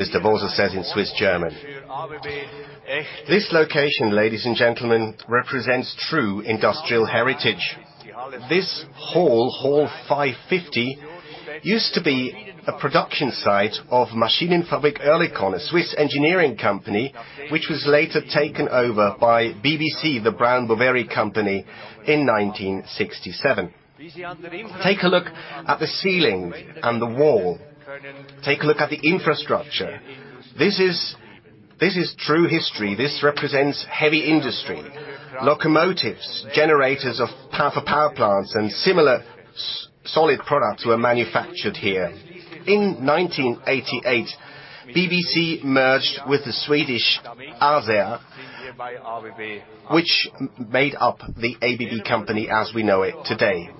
Mr. Bolza said in Swiss German. This location, ladies and gentlemen, represents true industrial heritage. This hall 550, used to be a production site of Maschinenfabrik Oerlikon, a Swiss engineering company, which was later taken over by BBC, the Brown, Boveri & Company, in 1967. Take a look at the ceiling and the wall. Take a look at the infrastructure. This is true history. This represents heavy industry. Locomotives, generators for power plants and similar solid products were manufactured here. In 1988, BBC merged with the Swedish ASEA, which made up the ABB company as we know it today.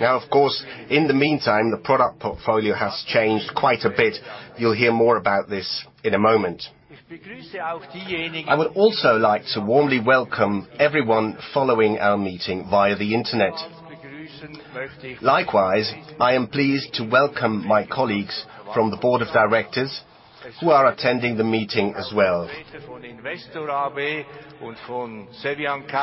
Of course, in the meantime, the product portfolio has changed quite a bit. You'll hear more about this in a moment. I would also like to warmly welcome everyone following our meeting via the Internet. Likewise, I am pleased to welcome my colleagues from the board of directors who are attending the meeting as well.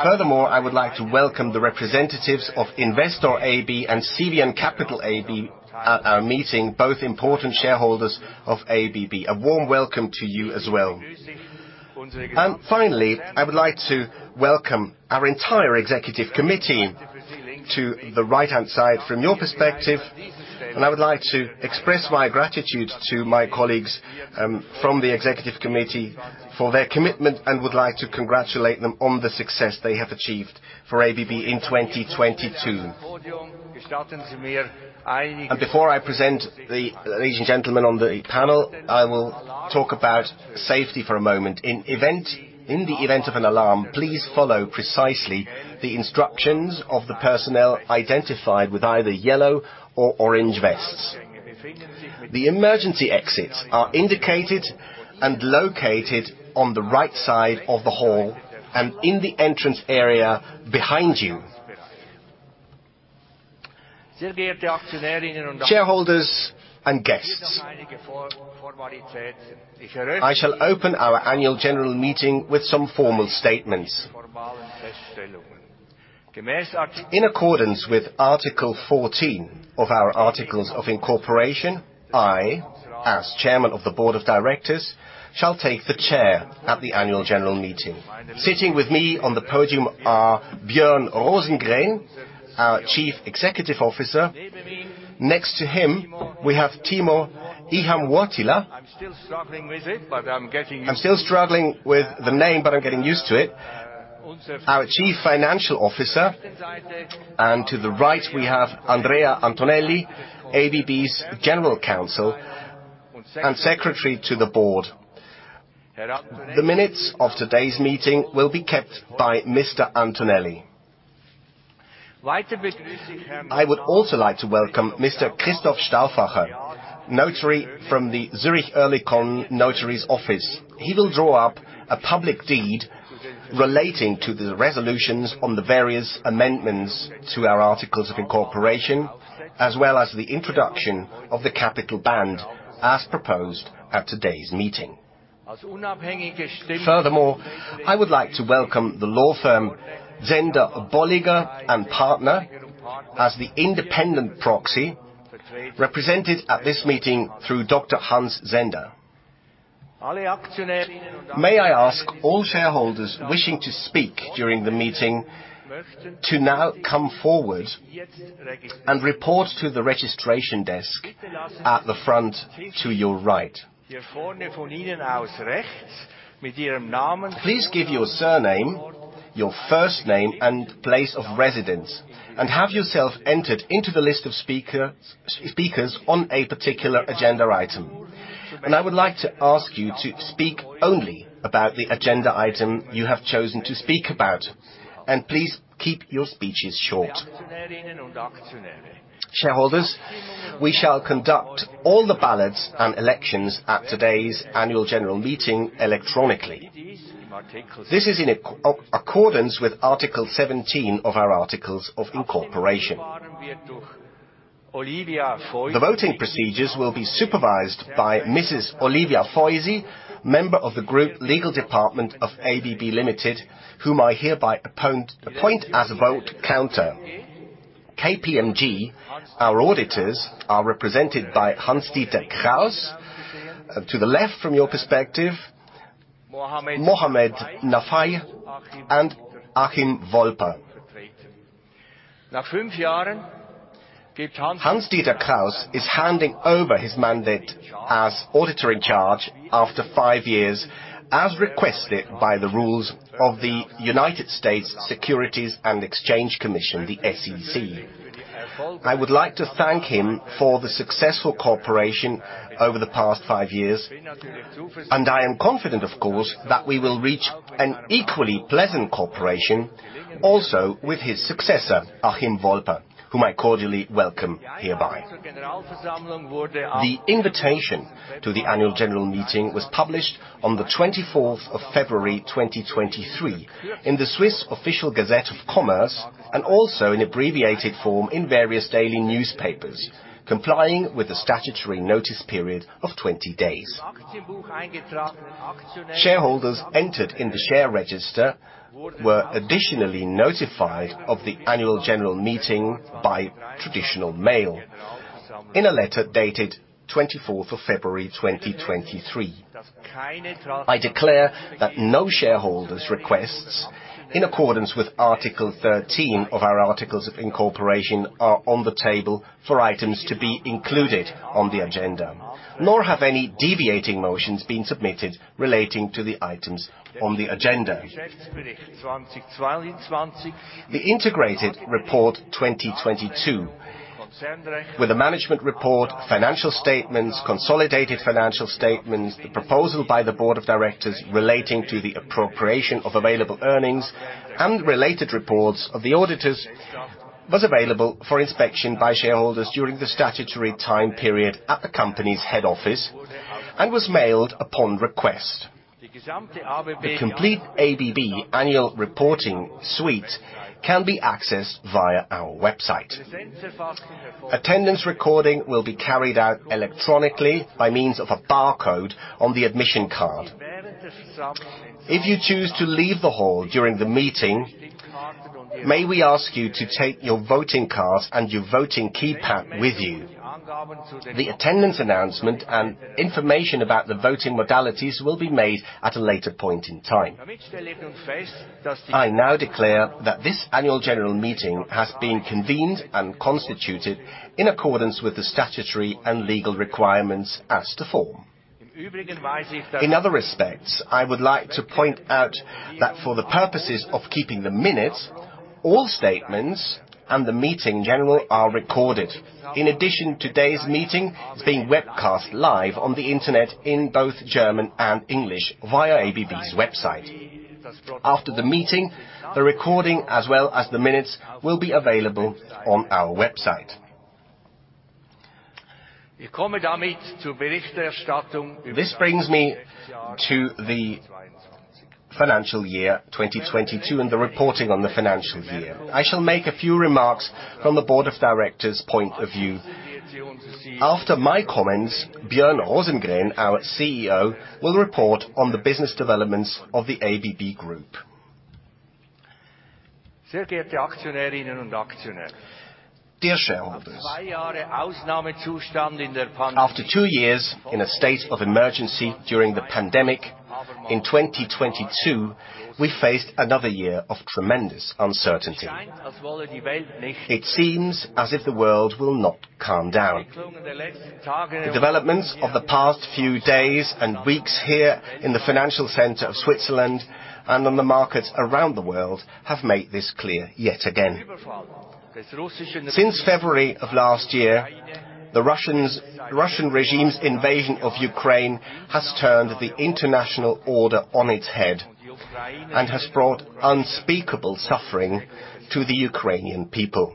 Furthermore, I would like to welcome the representatives of Investor AB and Cevian Capital AB at our meeting, both important shareholders of ABB. A warm welcome to you as well. Finally, I would like to welcome our entire executive committee to the right-hand side from your perspective, and I would like to express my gratitude to my colleagues from the executive committee for their commitment and would like to congratulate them on the success they have achieved for ABB in 2022. Before I present the ladies and gentlemen on the panel, I will talk about safety for a moment. In the event of an alarm, please follow precisely the instructions of the personnel identified with either yellow or orange vests. The emergency exits are indicated and located on the right side of the hall and in the entrance area behind you. Shareholders and guests, I shall open our annual general meeting with some formal statements. In accordance with Article 14 of our articles of incorporation, I, as Chairman of the Board of Directors, shall take the chair at the annual general meeting. Sitting with me on the podium are Björn Rosengren, our Chief Executive Officer. Next to him, we have Timo Ihamuotila. I'm still struggling with the name, but I'm getting used to it. Our Chief Financial Officer. To the right, we have Andrea Antonelli, ABB's General Counsel and Secretary to the Board. The minutes of today's meeting will be kept by Mr. Antonelli. I would also like to welcome Mr. Christoph Stauffacher, notary from the Zurich Oerlikon Notary's Office. He will draw up a public deed relating to the resolutions on the various amendments to our articles of incorporation, as well as the introduction of the capital band as proposed at today's meeting. Furthermore, I would like to welcome the law firm Zehnder Bolliger & Partner as the independent proxy, represented at this meeting through Dr. Hans Zehnder. May I ask all shareholders wishing to speak during the meeting to now come forward and report to the registration desk at the front to your right. Please give your surname, your first name, and place of residence, and have yourself entered into the list of speakers on a particular agenda item. I would like to ask you to speak only about the agenda item you have chosen to speak about. Please keep your speeches short. Shareholders, we shall conduct all the ballots and elections at today's annual general meeting electronically. This is in accordance with Article 17 of our articles of incorporation. The voting procedures will be supervised by Mrs. Olivia Feusi, member of the group legal department of ABB Limited, whom I hereby appoint as a vote counter. KPMG, our auditors, are represented by Hans-Dieter Krauss, to the left from your perspective, Mohammad Nafeie and Achim Wolper. Hans-Dieter Krauss is handing over his mandate as auditor-in-charge after five years, as requested by the rules of the United States Securities and Exchange Commission, the SEC. I would like to thank him for the successful cooperation over the past five years, and I am confident, of course, that we will reach an equally pleasant cooperation. Also with his successor, Achim Wolper, whom I cordially welcome hereby. The invitation to the annual general meeting was published on the 24th of February, 2023, in the Swiss Official Gazette of Commerce, and also in abbreviated form in various daily newspapers, complying with the statutory notice period of 20 days. Shareholders entered in the share register were additionally notified of the annual general meeting by traditional mail in a letter dated 24th of February, 2023. I declare that no shareholders requests in accordance with Article 13 of our Articles of Incorporation are on the table for items to be included on the agenda, nor have any deviating motions been submitted relating to the items on the agenda. The Integrated Report 2022 with a management report, financial statements, consolidated financial statements, the proposal by the board of directors relating to the appropriation of available earnings and related reports of the auditors was available for inspection by shareholders during the statutory time period at the company's head office and was mailed upon request. The complete ABB annual reporting suite can be accessed via our website. Attendance recording will be carried out electronically by means of a barcode on the admission card. If you choose to leave the hall during the meeting, may we ask you to take your voting card and your voting keypad with you. The attendance announcement and information about the voting modalities will be made at a later point in time. I now declare that this annual general meeting has been convened and constituted in accordance with the statutory and legal requirements as to form. Today's meeting is being webcast live on the Internet in both German and English via ABB's website. After the meeting, the recording, as well as the minutes, will be available on our website. This brings me to the financial year 2022 and the reporting on the financial year. I shall make a few remarks from the Board of Directors point of view. After my comments, Björn Rosengren, our CEO, will report on the business developments of the ABB Group. Dear shareholders, after two years in a state of emergency during the pandemic, in 2022, we faced another year of tremendous uncertainty. It seems as if the world will not calm down. The developments of the past few days and weeks here in the financial center of Switzerland and on the markets around the world have made this clear yet again. Since February of last year, the Russian regime's invasion of Ukraine has turned the international order on its head and has brought unspeakable suffering to the Ukrainian people.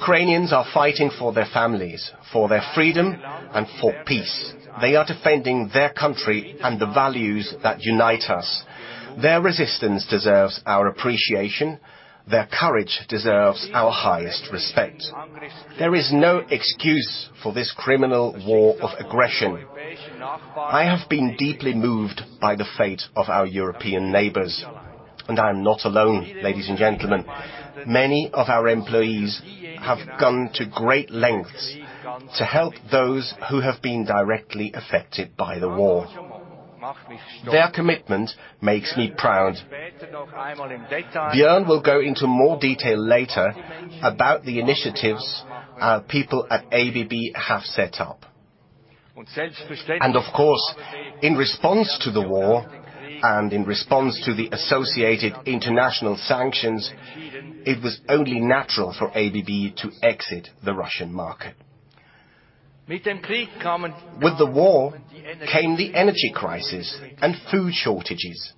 Ukrainians are fighting for their families, for their freedom, and for peace. They are defending their country and the values that unite us. Their resistance deserves our appreciation. Their courage deserves our highest respect. There is no excuse for this criminal war of aggression. I have been deeply moved by the fate of our European neighbors, and I am not alone, ladies and gentlemen. Many of our employees have gone to great lengths to help those who have been directly affected by the war. Their commitment makes me proud. Björn will go into more detail later about the initiatives our people at ABB have set up. Of course, in response to the war and in response to the associated international sanctions, it was only natural for ABB to exit the Russian market. With the war came the energy crisis and food shortages.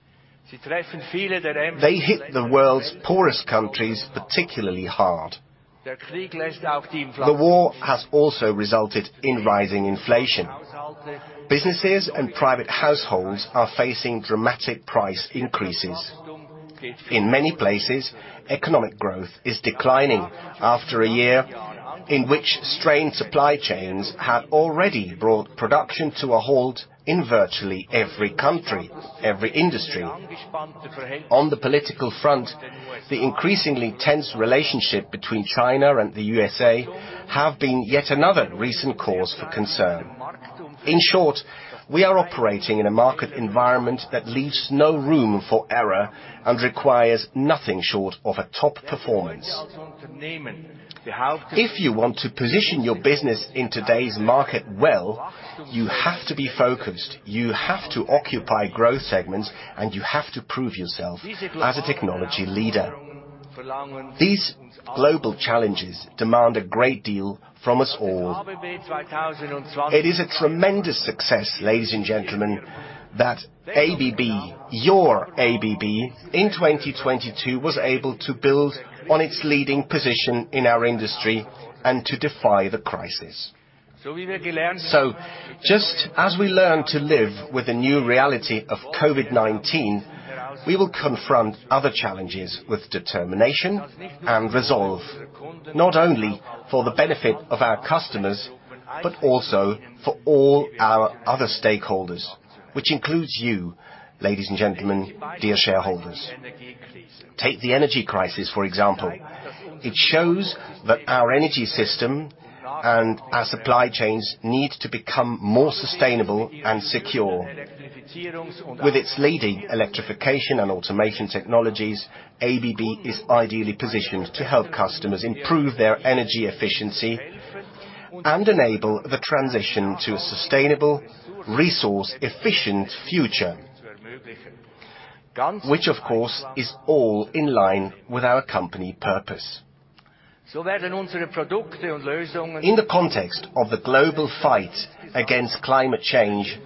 They hit the world's poorest countries particularly hard. The war has also resulted in rising inflation. Businesses and private households are facing dramatic price increases. In many places, economic growth is declining after a year in which strained supply chains have already brought production to a halt in virtually every country, every industry. On the political front, the increasingly tense relationship between China and the USA have been yet another recent cause for concern. In short, we are operating in a market environment that leaves no room for error and requires nothing short of a top performance. If you want to position your business in today's market well, you have to be focused, you have to occupy growth segments, and you have to prove yourself as a technology leader. These global challenges demand a great deal from us all. It is a tremendous success, ladies and gentlemen, that ABB, your ABB, in 2022 was able to build on its leading position in our industry and to defy the crisis. Just as we learn to live with the new reality of COVID-19, we will confront other challenges with determination and resolve, not only for the benefit of our customers, but also for all our other stakeholders, which includes you, ladies and gentlemen, dear shareholders. Take the energy crisis, for example. It shows that our energy system and our supply chains need to become more sustainable and secure. With its leading Electrification and Automation technologies, ABB is ideally positioned to help customers improve their energy efficiency and enable the transition to a sustainable, resource-efficient future, which, of course, is all in line with our company purpose. In the context of the global fight against climate change,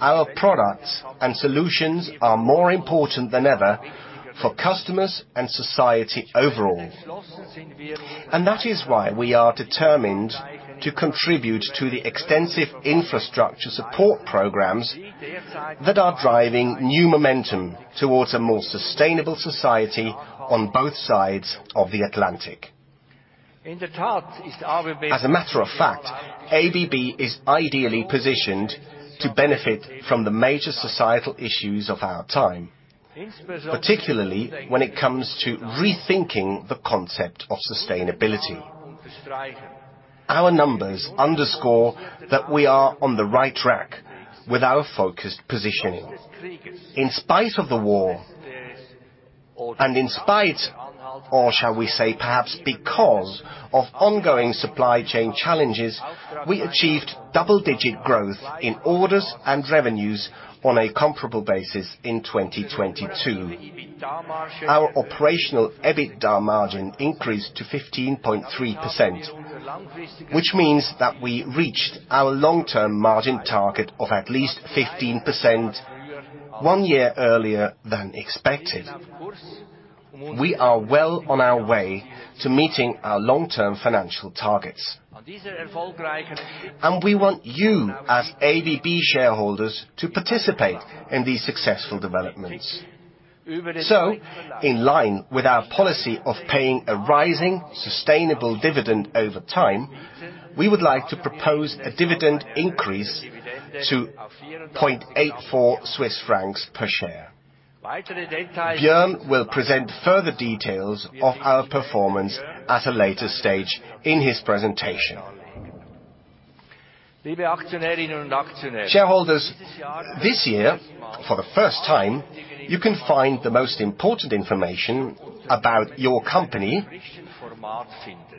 our products and solutions are more important than ever for customers and society overall. That is why we are determined to contribute to the extensive infrastructure support programs that are driving new momentum towards a more sustainable society on both sides of the Atlantic. As a matter of fact, ABB is ideally positioned to benefit from the major societal issues of our time, particularly when it comes to rethinking the concept of sustainability. Our numbers underscore that we are on the right track with our focused positioning. In spite of the war, and in spite, or shall we say perhaps because, of ongoing supply chain challenges, we achieved double-digit growth in orders and revenues on a comparable basis in 2022. Our operational EBITDA margin increased to 15.3%, which means that we reached our long-term margin target of at least 15% one year earlier than expected. We want you, as ABB shareholders, to participate in these successful developments. In line with our policy of paying a rising sustainable dividend over time, we would like to propose a dividend increase to 0.84 Swiss francs per share. Björn will present further details of our performance at a later stage in his presentation. Shareholders, this year, for the first time, you can find the most important information about your company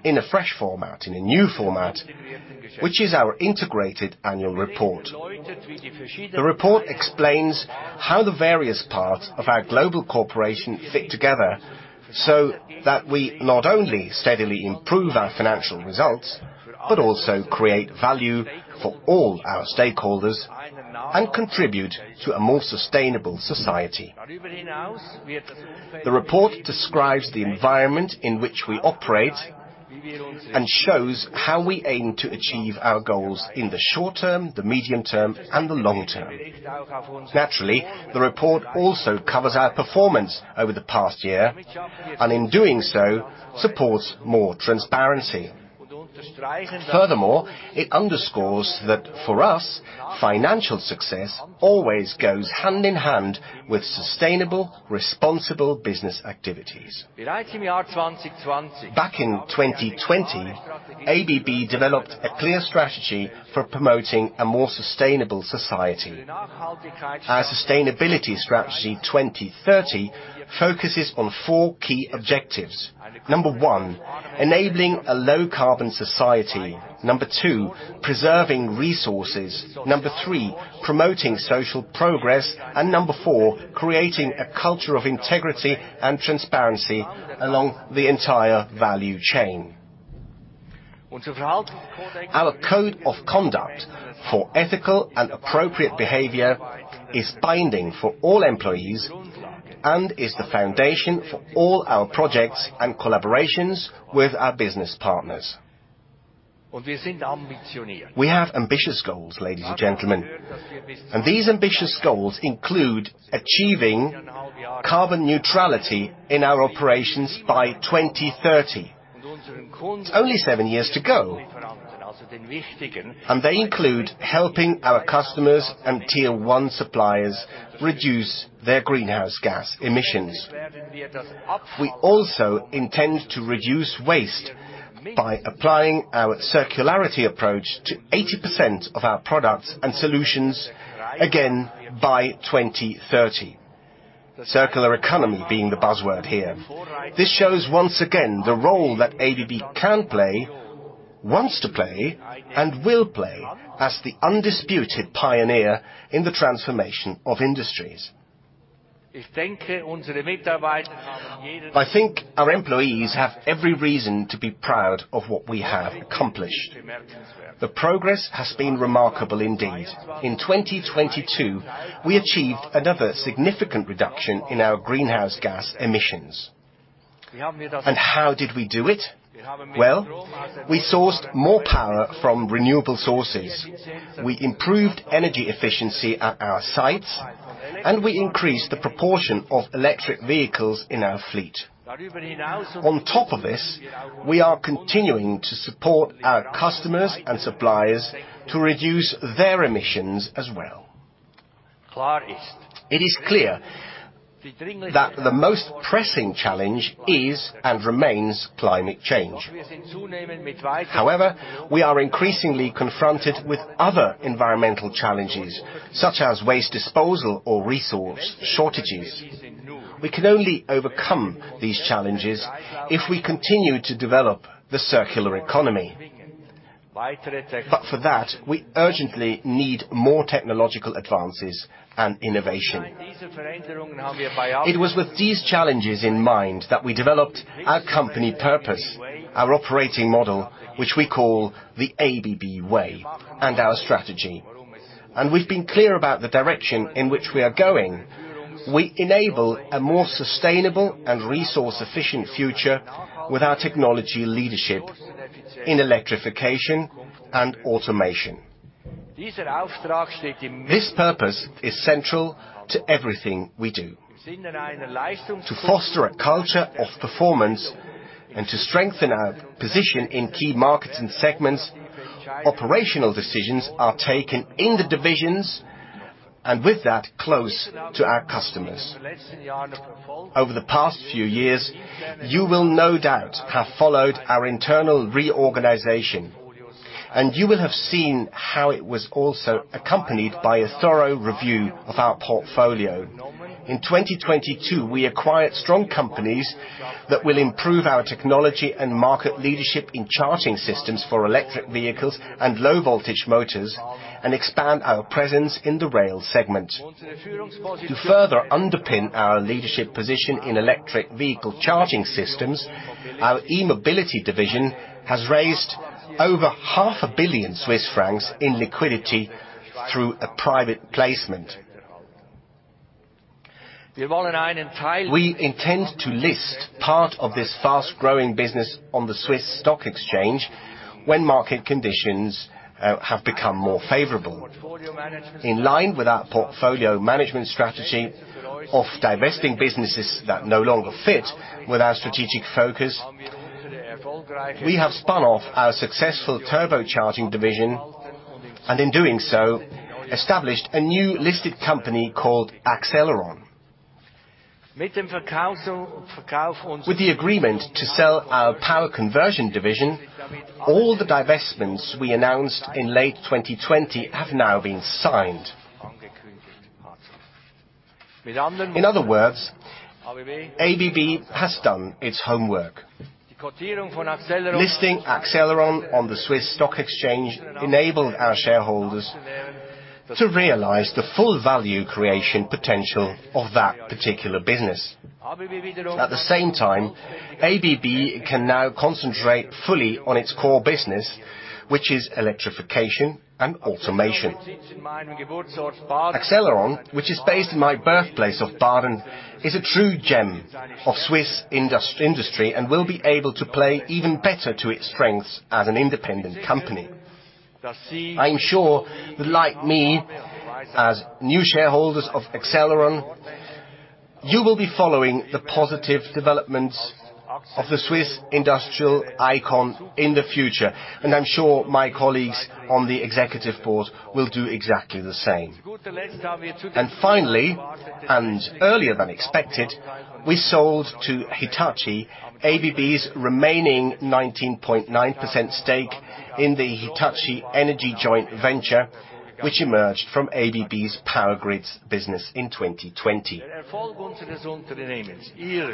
in a fresh format, in a new format, which is our integrated annual report. The report explains how the various parts of our global corporation fit together, so that we not only steadily improve our financial results, but also create value for all our stakeholders and contribute to a more sustainable society. The report describes the environment in which we operate and shows how we aim to achieve our goals in the short term, the medium term, and the long term. Naturally, the report also covers our performance over the past year, and in doing so, supports more transparency. Furthermore, it underscores that for us, financial success always goes hand in hand with sustainable, responsible business activities. Back in 2020, ABB developed a clear strategy for promoting a more sustainable society. Our Sustainability Strategy 2030 focuses on four key objectives. Number one, enabling a low carbon society. Number two, preserving resources. Number three, promoting social progress. Number four, creating a culture of integrity and transparency along the entire value chain. Our code of conduct for ethical and appropriate behavior is binding for all employees and is the foundation for all our projects and collaborations with our business partners. We have ambitious goals, ladies and gentlemen, and these ambitious goals include achieving carbon neutrality in our operations by 2030. It's only seven years to go. They include helping our customers and Tier 1 suppliers reduce their greenhouse gas emissions. We also intend to reduce waste by applying our circularity approach to 80% of our products and solutions again by 2030. Circular economy being the buzzword here. This shows once again the role that ABB can play wants to play and will play as the undisputed pioneer in the transformation of industries. I think our employees have every reason to be proud of what we have accomplished. The progress has been remarkable indeed. In 2022, we achieved another significant reduction in our greenhouse gas emissions. How did we do it? Well, we sourced more power from renewable sources. We improved energy efficiency at our sites, and we increased the proportion of electric vehicles in our fleet. On top of this, we are continuing to support our customers and suppliers to reduce their emissions as well. It is clear that the most pressing challenge is and remains climate change. However, we are increasingly confronted with other environmental challenges, such as waste disposal or resource shortages. We can only overcome these challenges if we continue to develop the circular economy. For that, we urgently need more technological advances and innovation. It was with these challenges in mind that we developed our company purpose, our operating model, which we call the ABB Way, and our strategy. We've been clear about the direction in which we are going. We enable a more sustainable and resource-efficient future with our technology leadership in Electrification and Automation. This purpose is central to everything we do. To foster a culture of performance and to strengthen our position in key markets and segments, operational decisions are taken in the divisions and with that close to our customers. Over the past few years, you will no doubt have followed our internal reorganization, you will have seen how it was also accompanied by a thorough review of our portfolio. In 2022, we acquired strong companies that will improve our technology and market leadership in charging systems for electric vehicles and low-voltage motors and expand our presence in the rail segment. To further underpin our leadership position in electric vehicle charging systems, our E-mobility division has raised over half a billion CHF in liquidity through a private placement. We intend to list part of this fast-growing business on the Swiss Stock Exchange when market conditions have become more favorable. In line with our portfolio management strategy of divesting businesses that no longer fit with our strategic focus, we have spun off our successful turbocharging division, and in doing so, established a new listed company called Accelleron. With the agreement to sell our Power Conversion division, all the divestments we announced in late 2020 have now been signed. In other words, ABB has done its homework. Listing Accelleron on the Swiss Stock Exchange enabled our shareholders to realize the full value creation potential of that particular business. ABB can now concentrate fully on its core business, which is Electrification and Automation. Accelleron, which is based in my birthplace of Baden, is a true gem of Swiss industry and will be able to play even better to its strengths as an independent company. I'm sure that like me, as new shareholders of Accelleron, you will be following the positive developments of the Swiss industrial icon in the future, I'm sure my colleagues on the executive board will do exactly the same. Earlier than expected, we sold to Hitachi, ABB's remaining 19.9% stake in the Hitachi Energy Joint Venture, which emerged from ABB's Power Grids business in 2020.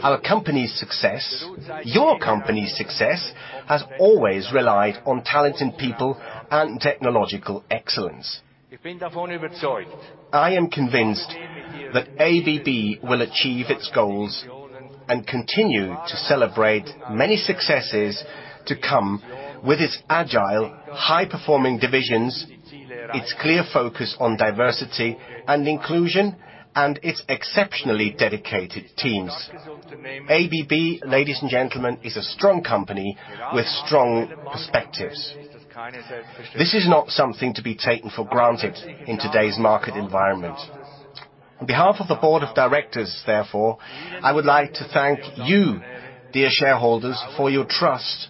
Our company's success, your company's success, has always relied on talented people and technological excellence. I am convinced that ABB will achieve its goals and continue to celebrate many successes to come with its agile, high-performing divisions, its clear focus on diversity and inclusion, and its exceptionally dedicated teams. ABB, ladies and gentlemen, is a strong company with strong perspectives. This is not something to be taken for granted in today's market environment. On behalf of the Board of Directors, therefore, I would like to thank you, dear shareholders, for your trust,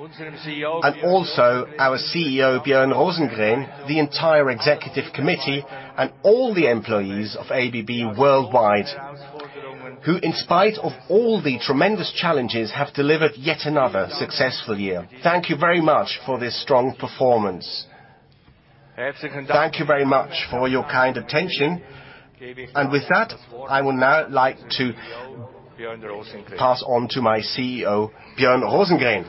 and also our CEO, Björn Rosengren, the entire Executive Committee, and all the employees of ABB worldwide, who, in spite of all the tremendous challenges, have delivered yet another successful year. Thank you very much for this strong performance. Thank you very much for your kind attention. With that, I would now like to pass on to my CEO, Björn Rosengren.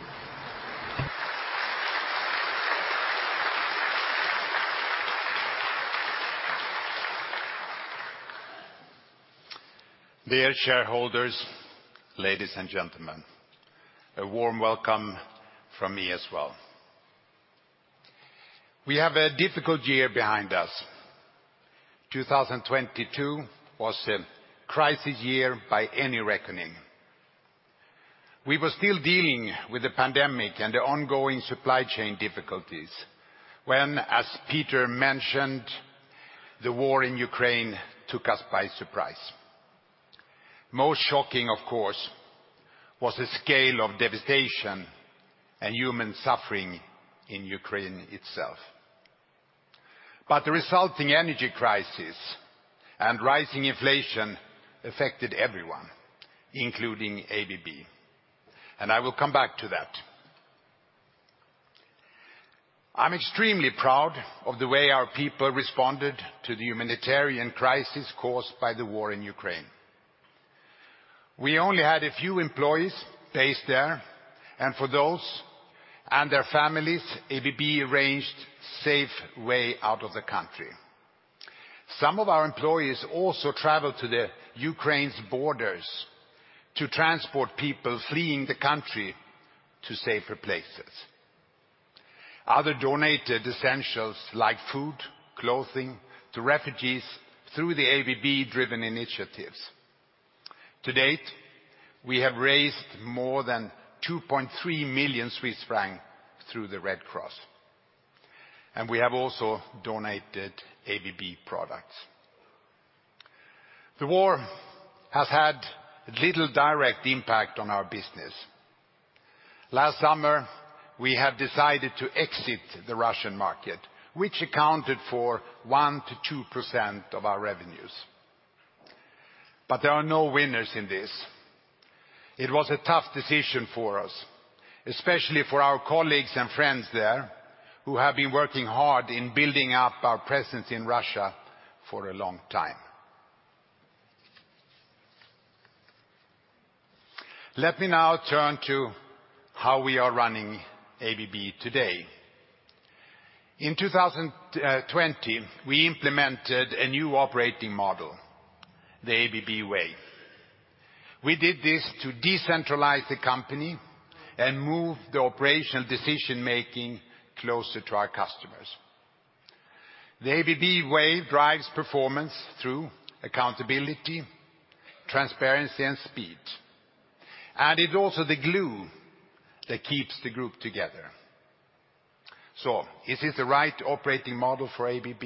Dear shareholders, ladies and gentlemen, a warm welcome from me as well. We have a difficult year behind us. 2022 was a crisis year by any reckoning. We were still dealing with the pandemic and the ongoing supply chain difficulties when, as Peter mentioned, the war in Ukraine took us by surprise. Most shocking, of course, was the scale of devastation and human suffering in Ukraine itself. The resulting energy crisis and rising inflation affected everyone, including ABB, and I will come back to that. I'm extremely proud of the way our people responded to the humanitarian crisis caused by the war in Ukraine. We only had a few employees based there, and for those and their families, ABB arranged safe way out of the country. Some of our employees also traveled to the Ukraine's borders to transport people fleeing the country to safer places. Other donated essentials like food, clothing to refugees through the ABB-driven initiatives. To date, we have raised more than 2.3 million Swiss francs through the Red Cross, and we have also donated ABB products. The war has had little direct impact on our business. Last summer, we have decided to exit the Russian market, which accounted for 1%-2% of our revenues. There are no winners in this. It was a tough decision for us, especially for our colleagues and friends there who have been working hard in building up our presence in Russia for a long time. Let me now turn to how we are running ABB today. In 2020, we implemented a new operating model, The ABB Way. We did this to decentralize the company and move the operational decision-making closer to our customers. The ABB Way drives performance through accountability, transparency, and speed, and it's also the glue that keeps the group together. Is this the right operating model for ABB?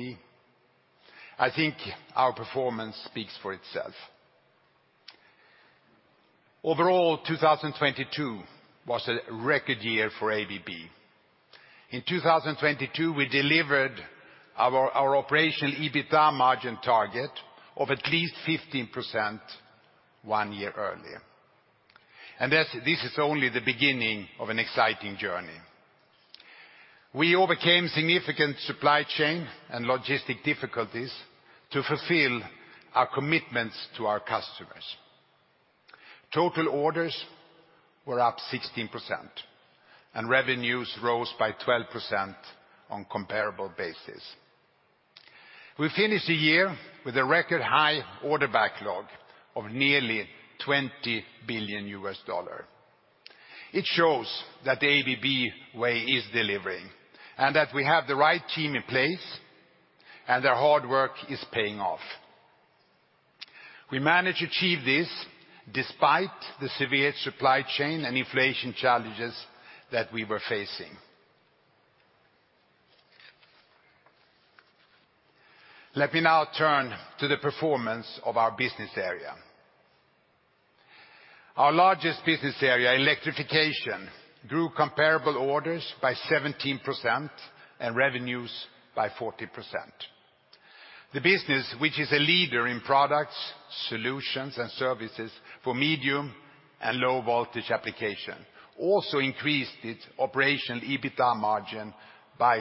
I think our performance speaks for itself. Overall, 2022 was a record year for ABB. In 2022, we delivered our operational EBITDA margin target of at least 15% one year earlier. This is only the beginning of an exciting journey. We overcame significant supply chain and logistic difficulties to fulfill our commitments to our customers. Total orders were up 16%. Revenues rose by 12% on comparable basis. We finished the year with a record-high order backlog of nearly $20 billion. It shows that The ABB Way is delivering, and that we have the right team in place, and their hard work is paying off. We managed to achieve this despite the severe supply chain and inflation challenges that we were facing. Let me now turn to the performance of our business area. Our largest business area, Electrification, grew comparable orders by 17% and revenues by 40%. The business, which is a leader in products, solutions, and services for medium and low-voltage application, also increased its operational EBITDA margin by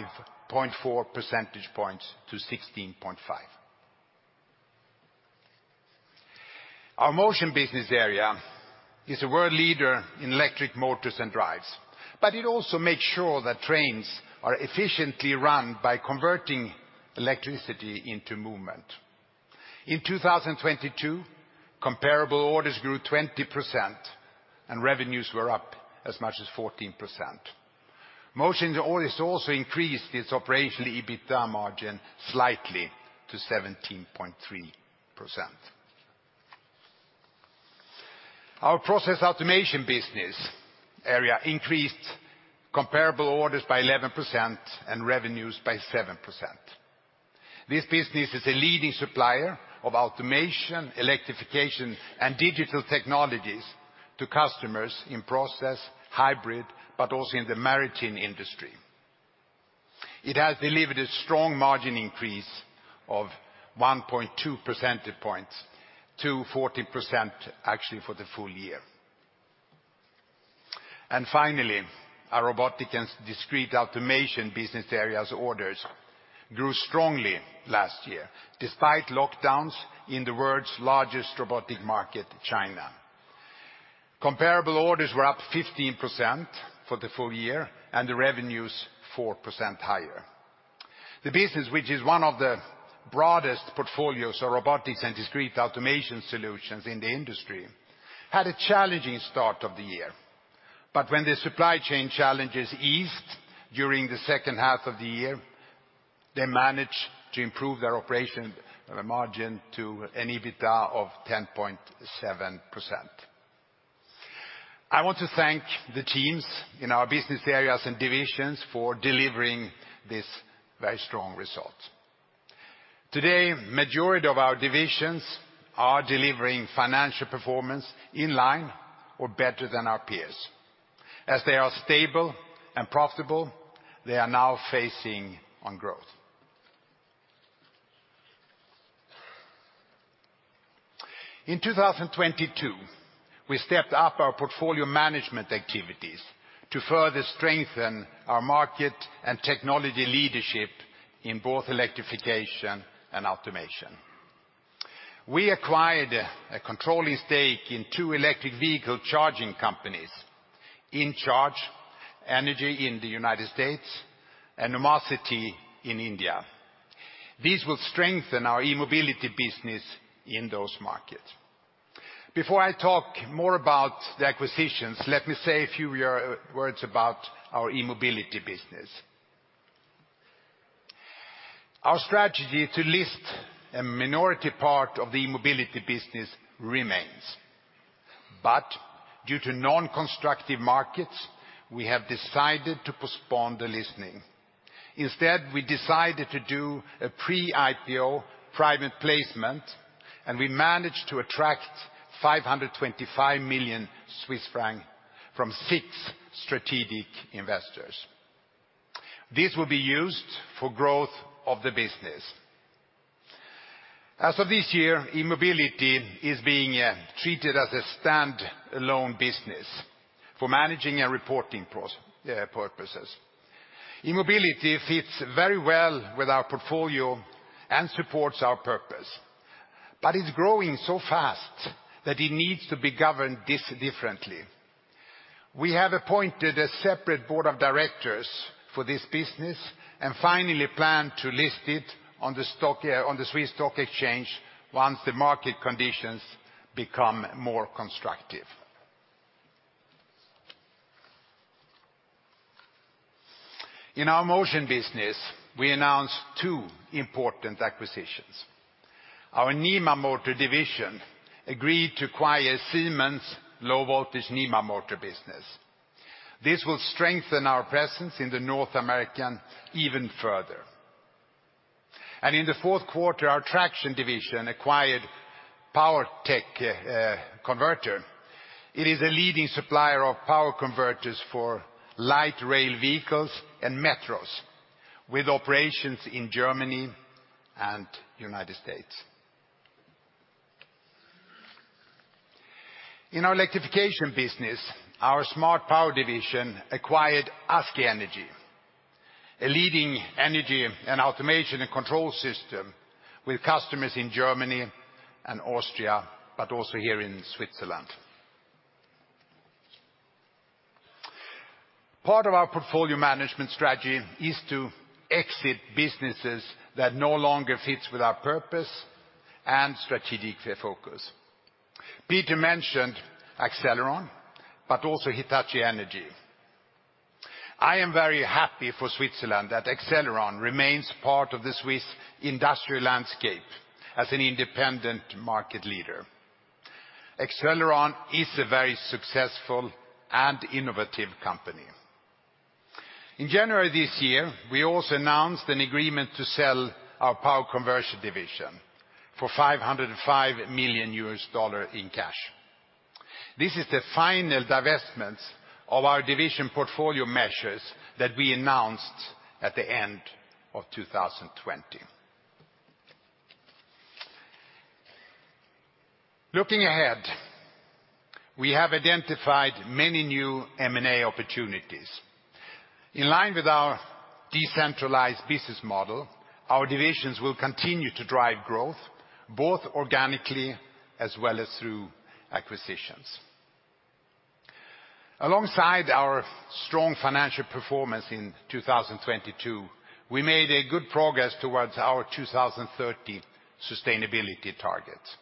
0.4 percentage points to 16.5%. Our Motion business area is a world leader in electric motors and drives, it also makes sure that trains are efficiently run by converting electricity into movement. In 2022, comparable orders grew 20%, revenues were up as much as 14%. Motion orders also increased its operational EBITDA margin slightly to 17.3%. Our Process Automation business area increased comparable orders by 11% and revenues by 7%. This business is a leading supplier of automation, electrification, and digital technologies to customers in process, hybrid, but also in the maritime industry. It has delivered a strong margin increase of 1.2 percentage points to 14% actually for the full year. Finally, our Robotics & Discrete Automation business area's orders grew strongly last year, despite lockdowns in the world's largest robotic market, China. Comparable orders were up 15% for the full year, and the revenues 4% higher. The business, which is one of the broadest portfolios of Robotics & Discrete Automation solutions in the industry, had a challenging start of the year. When the supply chain challenges eased during the second half of the year, they managed to improve their operation margin to an EBITDA of 10.7%. I want to thank the teams in our business areas and divisions for delivering this very strong result. Today, majority of our divisions are delivering financial performance in line or better than our peers. As they are stable and profitable, they are now facing on growth. In 2022, we stepped up our portfolio management activities to further strengthen our market and technology leadership in both Electrification and Automation. We acquired a controlling stake in two electric vehicle charging companies, InCharge Energy in the United States, and Numocity in India. These will strengthen our E-mobility business in those markets. Before I talk more about the acquisitions, let me say a few words about our E-mobility business. Our strategy to list a minority part of the E-mobility business remains, but due to non-constructive markets, we have decided to postpone the listing. Instead, we decided to do a pre-IPO private placement, and we managed to attract 525 million Swiss francs from six strategic investors. This will be used for growth of the business. As of this year, E-mobility is being treated as a stand-alone business for managing and reporting purposes. E-mobility fits very well with our portfolio and supports our purpose, but it's growing so fast that it needs to be governed differently. We have appointed a separate board of directors for this business, and finally plan to list it on the SIX Swiss Exchange once the market conditions become more constructive. In our Motion business, we announced two important acquisitions. Our NEMA motors division agreed to acquire Siemens' low-voltage NEMA motors business. This will strengthen our presence in the North American even further. In the fourth quarter, our Traction division acquired PowerTech Converter. It is a leading supplier of power converters for light rail vehicles and metros, with operations in Germany and United States. In our Electrification business, our Smart Power division acquired ASKI Energy, a leading energy and automation and control system with customers in Germany and Austria, but also here in Switzerland. Part of our portfolio management strategy is to exit businesses that no longer fits with our purpose and strategic focus. Peter mentioned Accelleron, also Hitachi Energy. I am very happy for Switzerland that Accelleron remains part of the Swiss industrial landscape as an independent market leader. Accelleron is a very successful and innovative company. In January this year, we also announced an agreement to sell our Power Conversion division for $505 million in cash. This is the final divestment of our division portfolio measures that we announced at the end of 2020. Looking ahead, we have identified many new M&A opportunities. In line with our decentralized business model, our divisions will continue to drive growth, both organically as well as through acquisitions. Alongside our strong financial performance in 2022, we made a good progress towards our 2030 sustainability targets.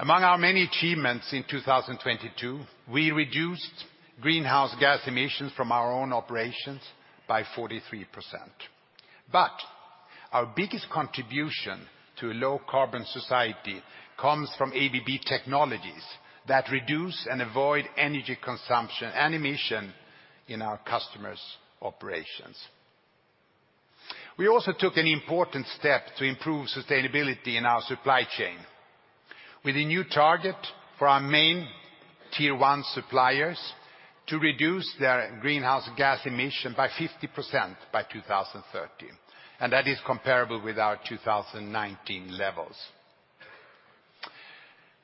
Among our many achievements in 2022, we reduced greenhouse gas emissions from our own operations by 43%. Our biggest contribution to a low-carbon society comes from ABB technologies that reduce and avoid energy consumption and emission in our customers' operations. We also took an important step to improve sustainability in our supply chain with a new target for our main Tier 1 suppliers to reduce their greenhouse gas emission by 50% by 2030, and that is comparable with our 2019 levels.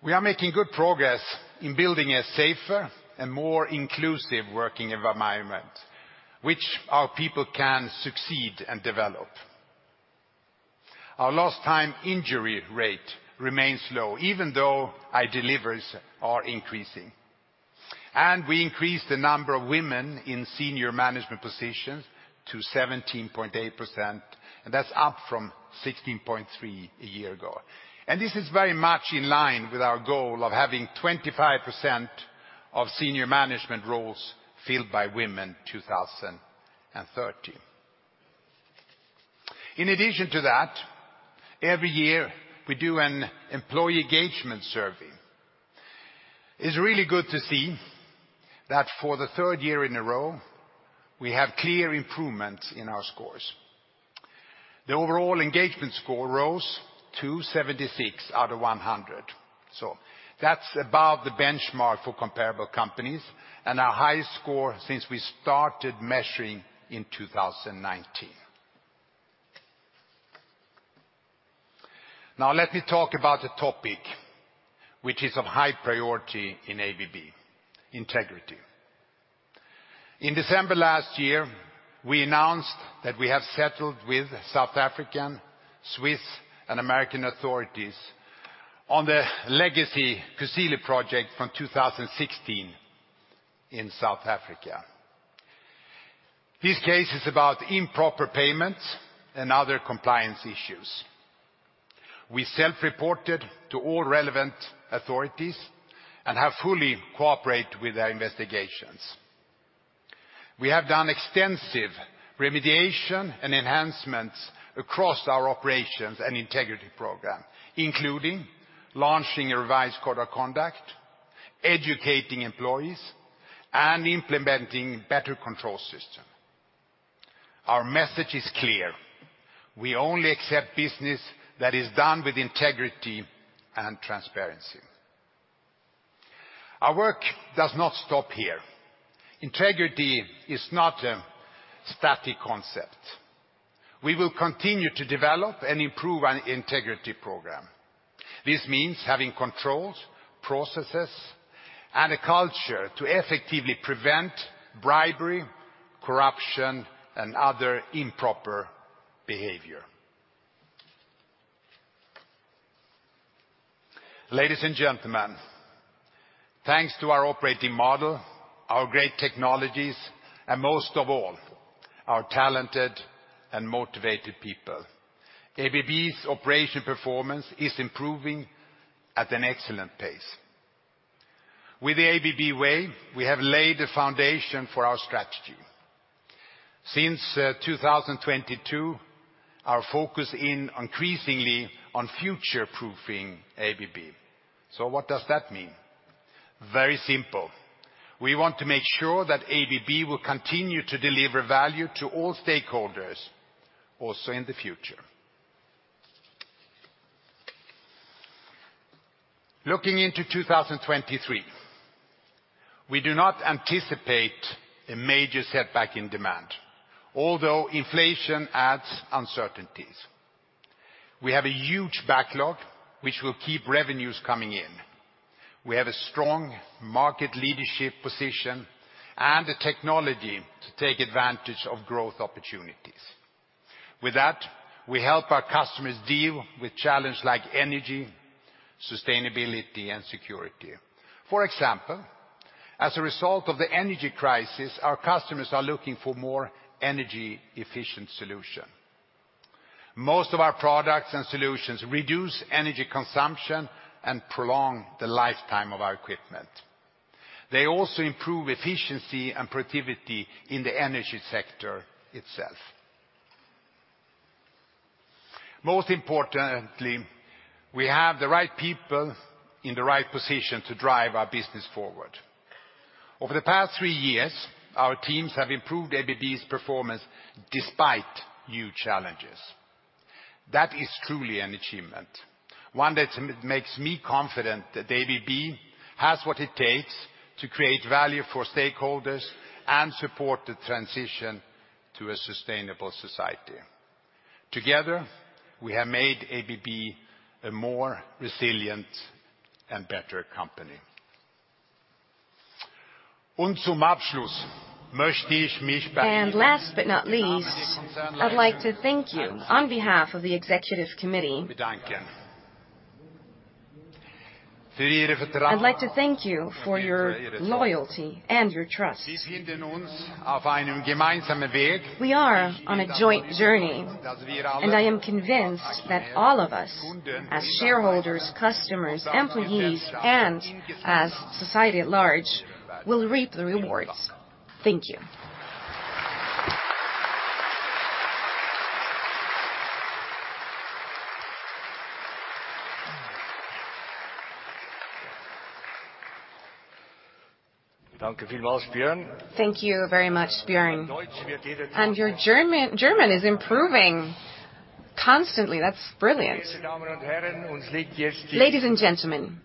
We are making good progress in building a safer and more inclusive working environment, which our people can succeed and develop. Our lost time injury rate remains low, even though our deliveries are increasing. We increased the number of women in senior management positions to 17.8%, and that's up from 16.3% a year ago. This is very much in line with our goal of having 25% of senior management roles filled by women 2030. In addition to that, every year we do an employee engagement survey. It's really good to see that for the third year in a row, we have clear improvements in our scores. The overall engagement score rose to 76 out of 100. That's above the benchmark for comparable companies and our highest score since we started measuring in 2019. Let me talk about a topic which is of high priority in ABB: integrity. In December last year, we announced that we have settled with South African, Swiss, and American authorities on the legacy Kusile project from 2016 in South Africa. This case is about improper payments and other compliance issues. We self-reported to all relevant authorities and have fully cooperated with their investigations. We have done extensive remediation and enhancements across our operations and integrity program, including launching a revised code of conduct, educating employees, and implementing better control system. Our message is clear: We only accept business that is done with integrity and transparency. Our work does not stop here. Integrity is not a static concept. We will continue to develop and improve our integrity program. This means having controls, processes, and a culture to effectively prevent bribery, corruption, and other improper behavior. Ladies and gentlemen, thanks to our operating model, our great technologies, and most of all, our talented and motivated people, ABB's operation performance is improving at an excellent pace. With The ABB Way, we have laid the foundation for our strategy. Since 2022, our focus in increasingly on future-proofing ABB. What does that mean? Very simple. We want to make sure that ABB will continue to deliver value to all stakeholders, also in the future. Looking into 2023, we do not anticipate a major setback in demand, although inflation adds uncertainties. We have a huge backlog, which will keep revenues coming in. We have a strong market leadership position and the technology to take advantage of growth opportunities. With that, we help our customers deal with challenges like energy, sustainability, and security. For example, as a result of the energy crisis, our customers are looking for more energy-efficient solution. Most of our products and solutions reduce energy consumption and prolong the lifetime of our equipment. They also improve efficiency and productivity in the energy sector itself. Most importantly, we have the right people in the right position to drive our business forward. Over the past three years, our teams have improved ABB's performance despite huge challenges. That is truly an achievement, one that makes me confident that ABB has what it takes to create value for stakeholders and support the transition to a sustainable society. Together, we have made ABB a more resilient and better company. Last but not least, I'd like to thank you on behalf of the executive committee. I'd like to thank you for your loyalty and your trust. We are on a joint journey, and I am convinced that all of us, as shareholders, customers, employees, and as society at large, will reap the rewards. Thank you. Thank you very much, Björn. Your German is improving. Constantly. That's brilliant. Ladies and gentlemen,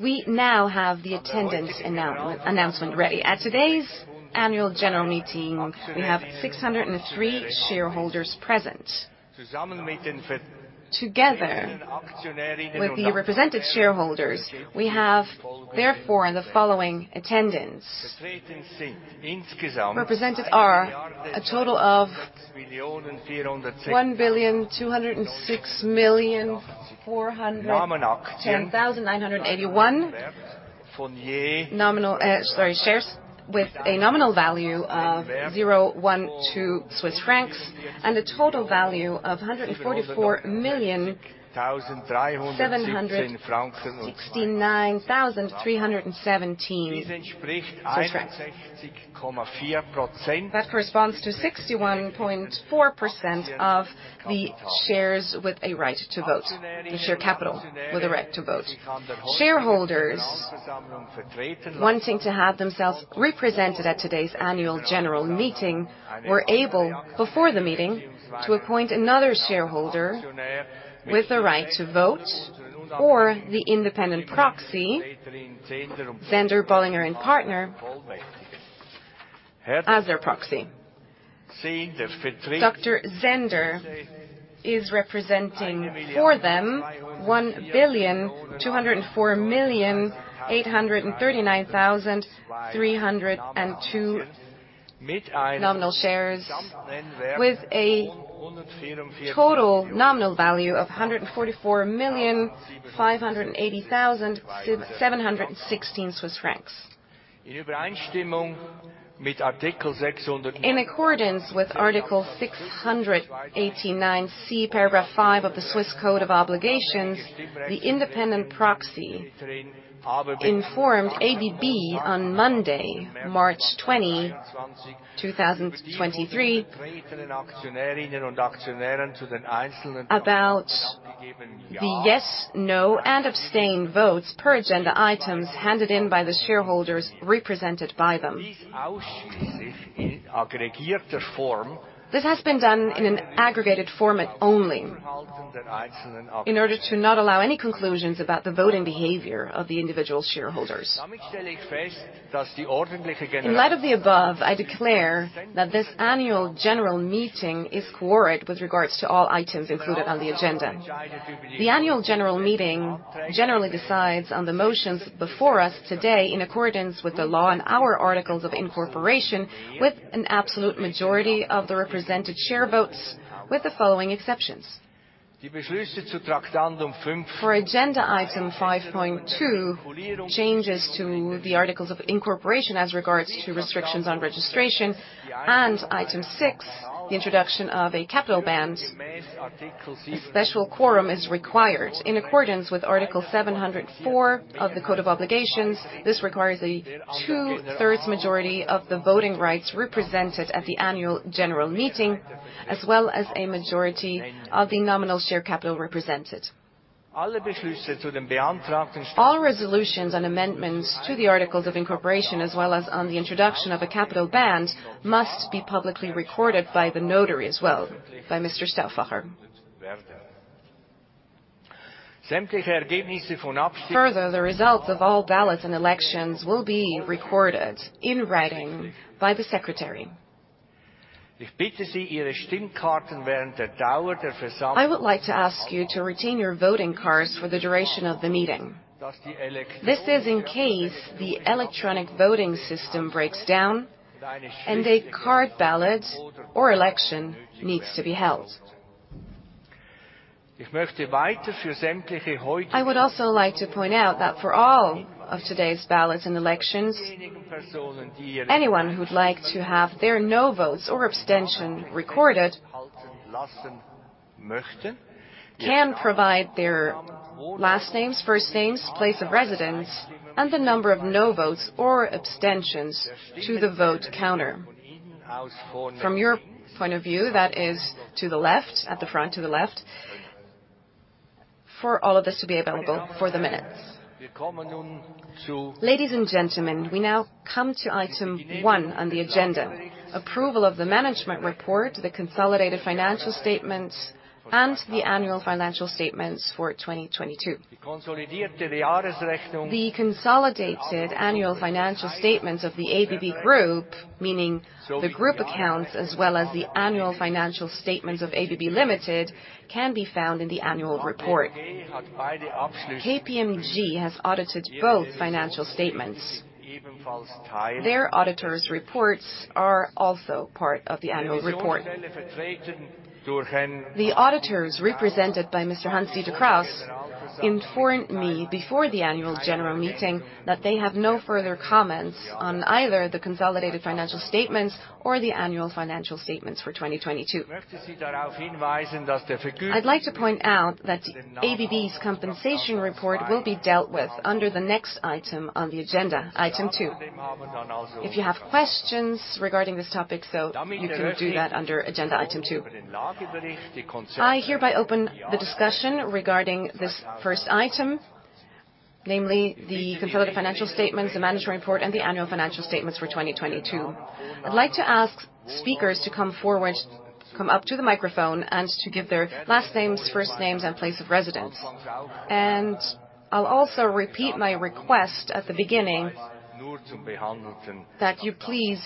we now have the attendance announcement ready. At today's annual general meeting, we have 603 shareholders present. Together with the represented shareholders, we have therefore the following attendance. Represented are a total of 1,206,410,981 shares with a nominal value of 0.12 Swiss francs and a total value of 144,769,317 Swiss francs. That corresponds to 61.4% of the shares with a right to vote, the share capital with a right to vote. Shareholders wanting to have themselves represented at today's annual general meeting were able before the meeting to appoint another shareholder with the right to vote or the independent proxy, Zehnder Bolliger & Partner, as their proxy. Dr. Zehnder is representing for them 1,204,839,302 nominal shares with a total nominal value of 144,580,716 Swiss francs. In accordance with Article 689c, Paragraph 5 of the Swiss Code of Obligations, the independent proxy informed ABB on Monday, March 20, 2023, about the yes, no, and abstain votes per agenda items handed in by the shareholders represented by them. This has been done in an aggregated format only in order to not allow any conclusions about the voting behavior of the individual shareholders. In light of the above, I declare that this annual general meeting is quorum with regards to all items included on the agenda. The annual general meeting generally decides on the motions before us today in accordance with the law and our articles of incorporation with an absolute majority of the represented share votes with the following exceptions. For agenda item 5.2, changes to the articles of incorporation as regards to restrictions on registration and item six, the introduction of a capital band, a special quorum is required. In accordance with Article 704 of the Swiss Code of Obligations, this requires a 2/3 majority of the voting rights represented at the annual general meeting, as well as a majority of the nominal share capital represented. All resolutions on amendments to the articles of incorporation, as well as on the introduction of a capital band, must be publicly recorded by the notary as well, by Mr. Stauffacher. The results of all ballots and elections will be recorded in writing by the secretary. I would like to ask you to retain your voting cards for the duration of the meeting. This is in case the electronic voting system breaks down and a card ballot or election needs to be held. I would also like to point out that for all of today's ballots and elections, anyone who would like to have their no votes or abstention recorded can provide their last names, first names, place of residence, and the number of no votes or abstentions to the vote counter. From your point of view, that is to the left, at the front to the left, for all of this to be available for the minutes. Ladies and gentlemen, we now come to item one on the agenda: approval of the management report, the consolidated financial statement, and the annual financial statements for 2022. The consolidated annual financial statements of the ABB Group, meaning the group accounts as well as the annual financial statements of ABB Ltd, can be found in the annual report. KPMG has audited both financial statements. Their auditor's reports are also part of the annual report. The auditors represented by Mr. Hans-Dieter Kraus informed me before the annual general meeting that they have no further comments on either the consolidated financial statements or the annual financial statements for 2022. I'd like to point out that ABB's compensation report will be dealt with under the next item on the agenda, item two. If you have questions regarding this topic, you can do that under agenda item two. I hereby open the discussion regarding this first item. Namely the consolidated financial statements, the management report, and the annual financial statements for 2022. I'd like to ask speakers to come forward, come up to the microphone, and to give their last names, first names, and place of residence. I'll also repeat my request at the beginning that you please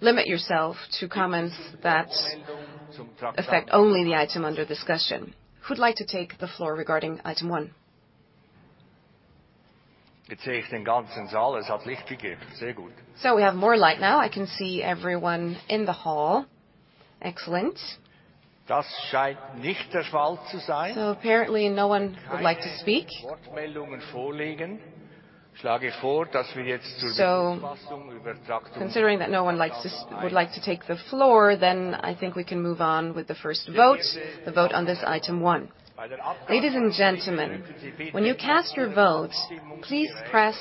limit yourself to comments that affect only the item under discussion. Who'd like to take the floor regarding item one? We have more light now. I can see everyone in the hall. Excellent. Apparently, no one would like to speak. Considering that no one would like to take the floor, I think we can move on with the first vote, the vote on this item one. Ladies and gentlemen, when you cast your vote, please press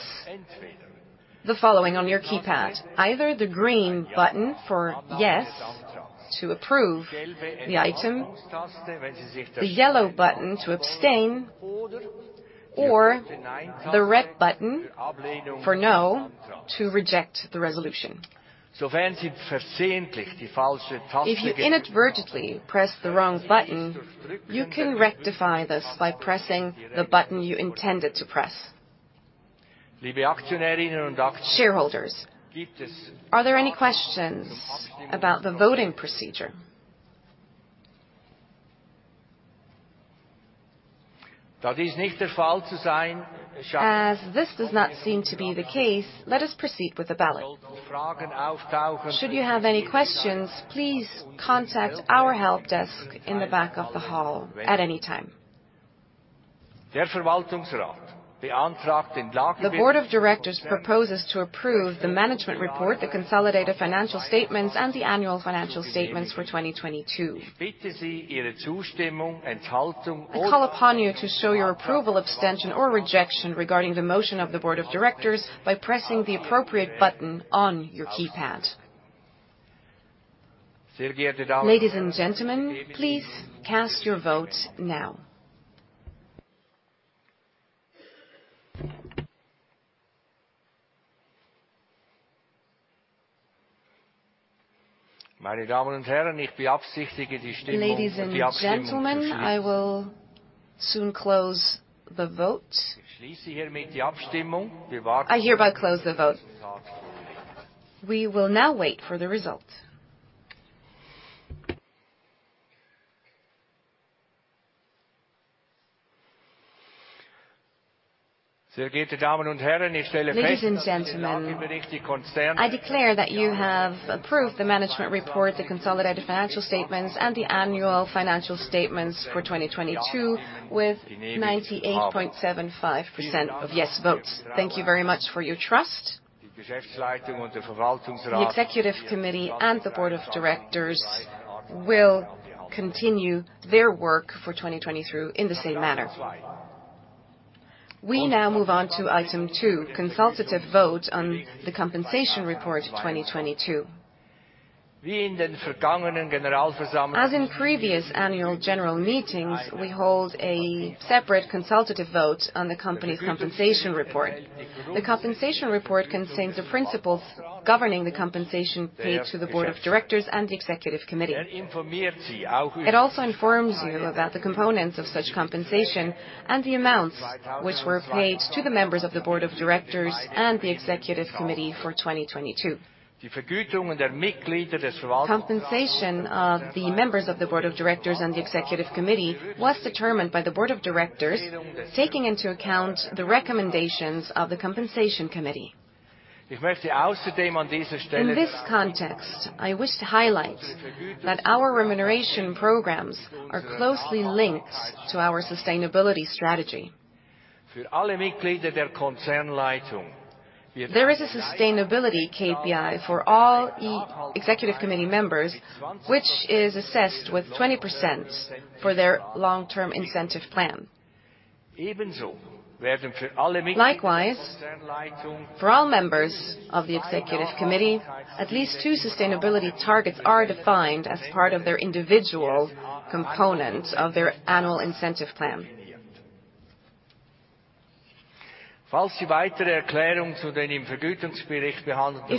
the following on your keypad. Either the green button for yes to approve the item, the yellow button to abstain, or the red button for no to reject the resolution. If you inadvertently press the wrong button, you can rectify this by pressing the button you intended to press. Shareholders, are there any questions about the voting procedure? As this does not seem to be the case, let us proceed with the ballot. Should you have any questions, please contact our help desk in the back of the hall at any time. The board of directors proposes to approve the management report, the consolidated financial statements, and the annual financial statements for 2022. I call upon you to show your approval, abstention, or rejection regarding the motion of the board of directors by pressing the appropriate button on your keypad. Ladies and gentlemen, please cast your vote now. Ladies and gentlemen, I will soon close the vote. I hereby close the vote. We will now wait for the result. Ladies and gentlemen, I declare that you have approved the management report, the consolidated financial statements, and the annual financial statements for 2022 with 98.75% of yes votes. Thank you very much for your trust. The Executive Committee and the Board of Directors will continue their work for 2022 in the same manner. We now move on to item two, consultative vote on the Compensation Report 2022. As in previous Annual General Meetings, we hold a separate consultative vote on the company's Compensation Report. The Compensation Report contains the principles governing the compensation paid to the Board of Directors and the Executive Committee. It also informs you about the components of such compensation and the amounts which were paid to the members of the Board of Directors and the Executive Committee for 2022. Compensation of the members of the Board of Directors and the Executive Committee was determined by the Board of Directors, taking into account the recommendations of the Compensation Committee. In this context, I wish to highlight that our remuneration programs are closely linked to our Sustainability Strategy. There is a sustainability KPI for all Executive Committee members, which is assessed with 20% for their long-term incentive plan. Likewise, for all members of the Executive Committee, at least two sustainability targets are defined as part of their individual component of their annual incentive plan. If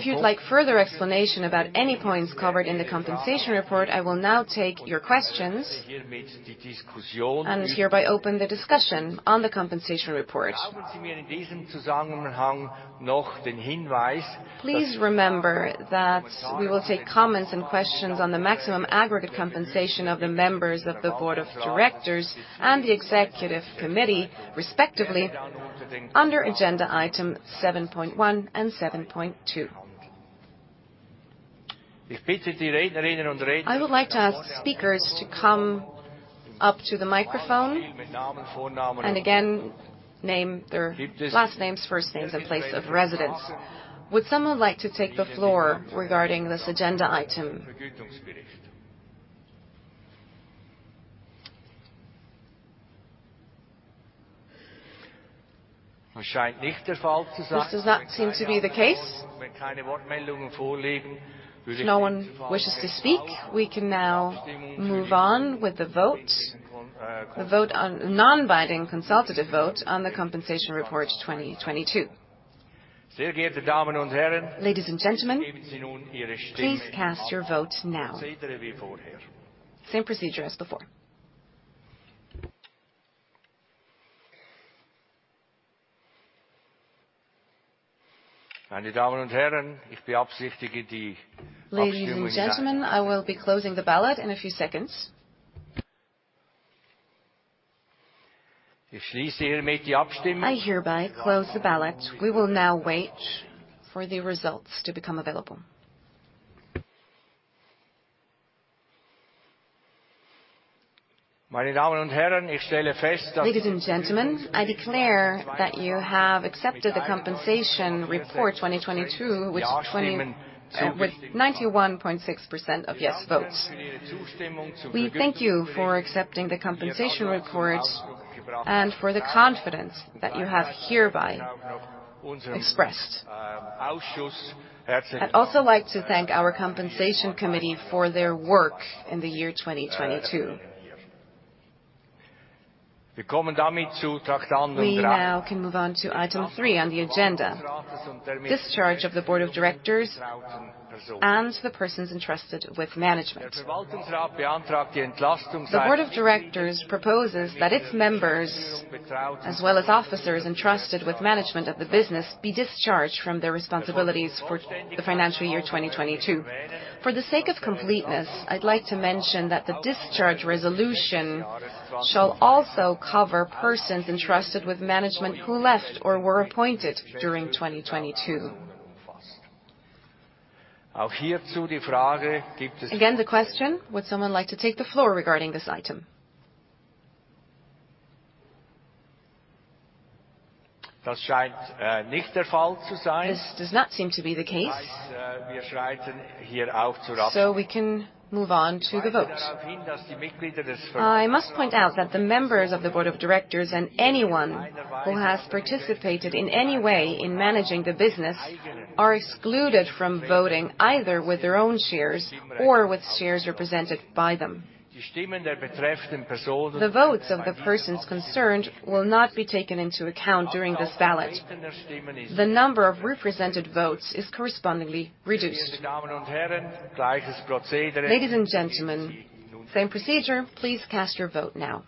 you'd like further explanation about any points covered in the compensation report, I will now take your questions and hereby open the discussion on the compensation report. Please remember that we will take comments and questions on the maximum aggregate compensation of the members of the Board of Directors and the Executive Committee, respectively, under agenda item 7.1 and 7.2. I would like to ask speakers to come up to the microphone and again name their last names, first names, and place of residence. Would someone like to take the floor regarding this agenda item? This does not seem to be the case. If no one wishes to speak, we can now move on with the vote, non-binding consultative vote on the compensation report 2022. Ladies and gentlemen, please cast your vote now. Same procedure as before. Ladies and gentlemen, I will be closing the ballot in a few seconds. I hereby close the ballot. We will now wait for the results to become available. Ladies and gentlemen, I declare that you have accepted the compensation report 2022 with 91.6% of yes votes. We thank you for accepting the compensation report and for the confidence that you have hereby expressed. I'd also like to thank our Compensation Committee for their work in the year 2022. We now can move on to item three on the agenda, discharge of the Board of Directors and the persons entrusted with management. The Board of Directors proposes that its members, as well as officers entrusted with management of the business, be discharged from their responsibilities for the financial year 2022. For the sake of completeness, I'd like to mention that the discharge resolution shall also cover persons entrusted with management who left or were appointed during 2022. Again, the question: Would someone like to take the floor regarding this item? This does not seem to be the case, so we can move on to the vote. I must point out that the members of the Board of Directors and anyone who has participated in any way in managing the business are excluded from voting, either with their own shares or with shares represented by them. The votes of the persons concerned will not be taken into account during this ballot. The number of represented votes is correspondingly reduced. Ladies and gentlemen, same procedure. Please cast your vote now.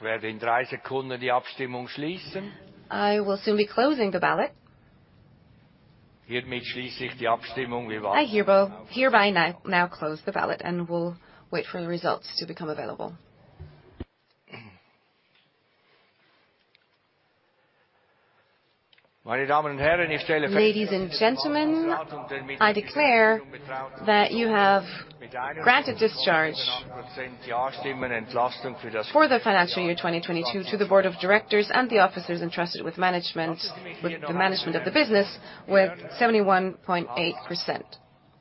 I will soon be closing the ballot. I hereby now close the ballot and will wait for the results to become available. Ladies and gentlemen, I declare that you have granted discharge for the financial year 2022 to the Board of Directors and the officers entrusted with the management of the business with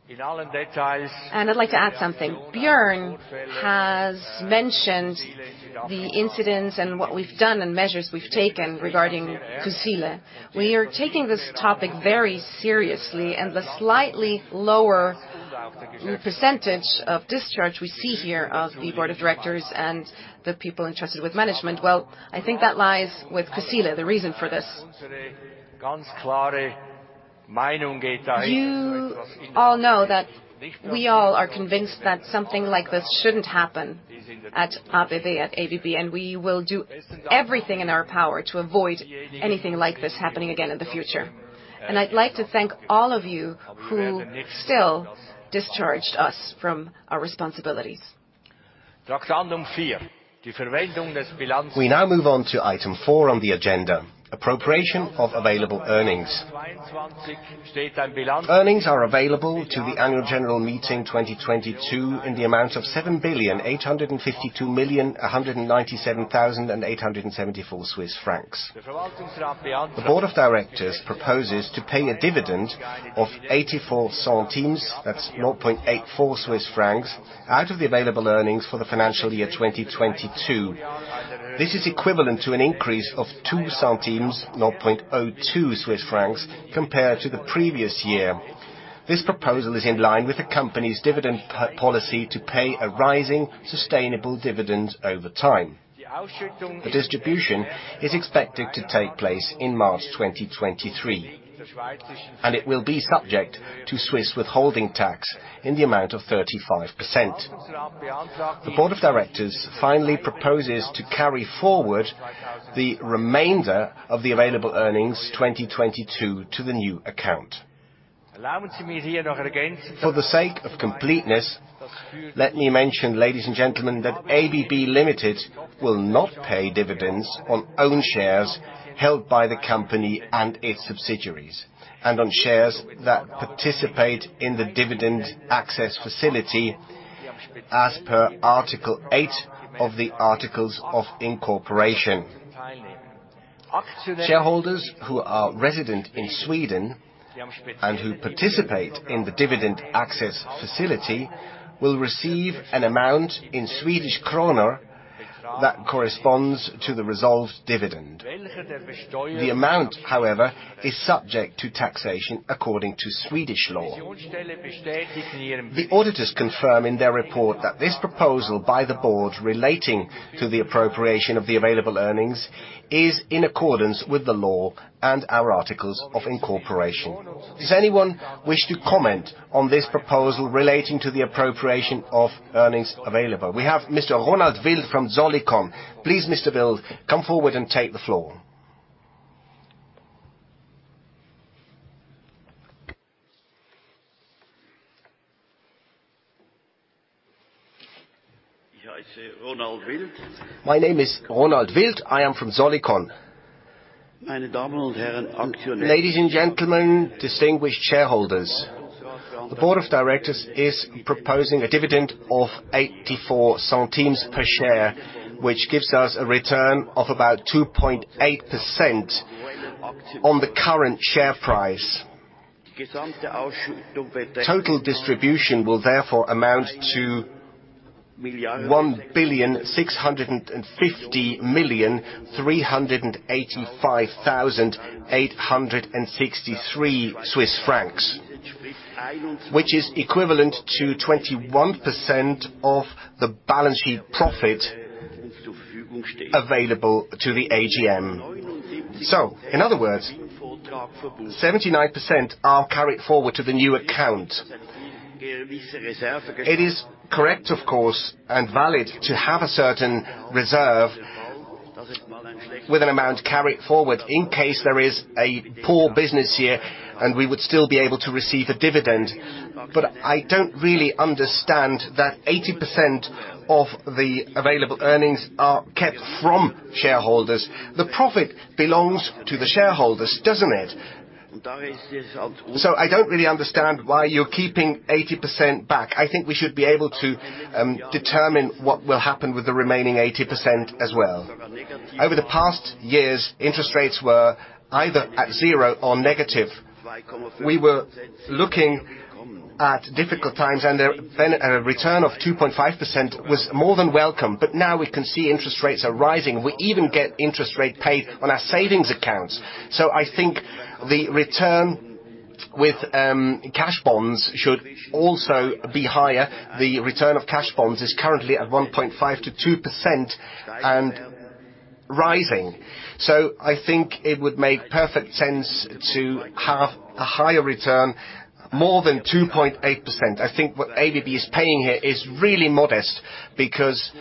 71.8%. I'd like to add something. Björn has mentioned the incidents and what we've done and measures we've taken regarding Kusile. We are taking this topic very seriously. The slightly lower percentage of discharge we see here of the Board of Directors and the people entrusted with management, well, I think that lies with Kusile, the reason for this. You all know that we all are convinced that something like this shouldn't happen at ABB and we will do everything in our power to avoid anything like this happening again in the future. I'd like to thank all of you who still discharged us from our responsibilities. We now move on to item four on the agenda, appropriation of available earnings. Earnings are available to the annual general meeting 2022 in the amount of 7,852,197,874 Swiss francs. The Board of Directors proposes to pay a dividend of 0.84, that's 0.84 Swiss francs, out of the available earnings for the financial year 2022. This is equivalent to an increase of 0.02 Swiss francs, CHF 0.02, compared to the previous year. This proposal is in line with the company's dividend policy to pay a rising sustainable dividend over time. The distribution is expected to take place in March 2023, and it will be subject to Swiss withholding tax in the amount of 35%. The board of directors finally proposes to carry forward the remainder of the available earnings 2022 to the new account. For the sake of completeness, let me mention, ladies and gentlemen, that ABB Ltd will not pay dividends on own shares held by the company and its subsidiaries, and on shares that participate in the Dividend Access Facility as per Article 8 of the Articles of Incorporation. Shareholders who are resident in Sweden and who participate in the Dividend Access Facility will receive an amount in Swedish krona that corresponds to the resolved dividend. The amount, however, is subject to taxation according to Swedish law. The auditors confirm in their report that this proposal by the board relating to the appropriation of the available earnings is in accordance with the law and our articles of incorporation. Does anyone wish to comment on this proposal relating to the appropriation of earnings available? We have Mr. Ronald Wild from Solothurn. Please, Mr. Wild, come forward and take the floor. My name is Ronald Wild. I am from Solothurn. Ladies and gentlemen, distinguished shareholders, the board of directors is proposing a dividend of 0.84 per share, which gives us a return of about 2.8% on the current share price. Total distribution will therefore amount to 1,650,385,863 Swiss francs, which is equivalent to 21% of the balance sheet profit available to the AGM. In other words, 79% are carried forward to the new account. It is correct, of course, and valid to have a certain reserve with an amount carried forward in case there is a poor business year and we would still be able to receive a dividend. I don't really understand that 80% of the available earnings are kept from shareholders. The profit belongs to the shareholders, doesn't it? I don't really understand why you're keeping 80% back. I think we should be able to determine what will happen with the remaining 80% as well. Over the past years, interest rates were either at zero or negative. We were looking at difficult times and then return of 2.5% was more than welcome. Now we can see interest rates are rising. We even get interest rate paid on our savings accounts. I think the return with cash bonds should also be higher. The return of cash bonds is currently at 1.5%-2% and rising. I think it would make perfect sense to have a higher return more than 2.8%. I think what ABB is paying here is really modest because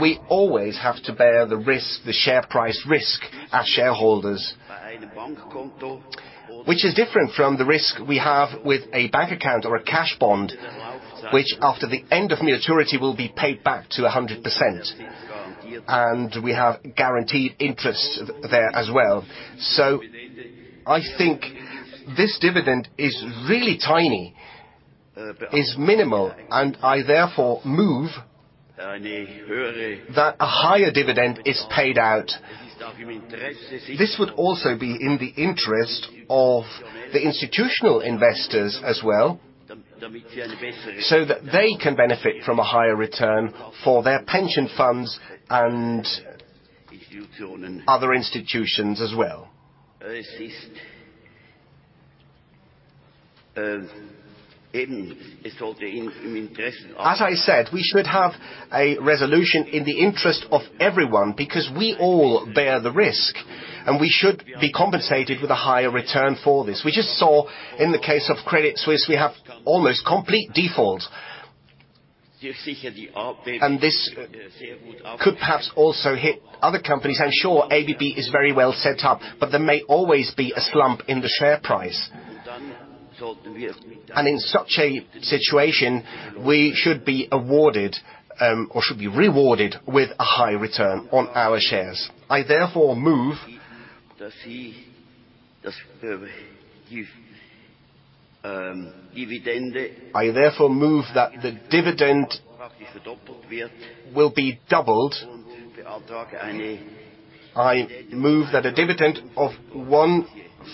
we always have to bear the risk, the share price risk as shareholders, which is different from the risk we have with a bank account or a cash bond, which after the end of maturity will be paid back to 100%, and we have guaranteed interest there as well. I think this dividend is really tiny, is minimal, and I therefore move that a higher dividend is paid out. This would also be in the interest of the institutional investors as well, that they can benefit from a higher return for their pension funds and other institutions as well. As I said, we should have a resolution in the interest of everyone because we all bear the risk, we should be compensated with a higher return for this. We just saw in the case of Credit Suisse, we have almost complete default, this could perhaps also hit other companies. I'm sure ABB is very well set up, there may always be a slump in the share price. In such a situation, we should be awarded, or should be rewarded with a high return on our shares. I therefore move that the dividend will be doubled. I move that a dividend of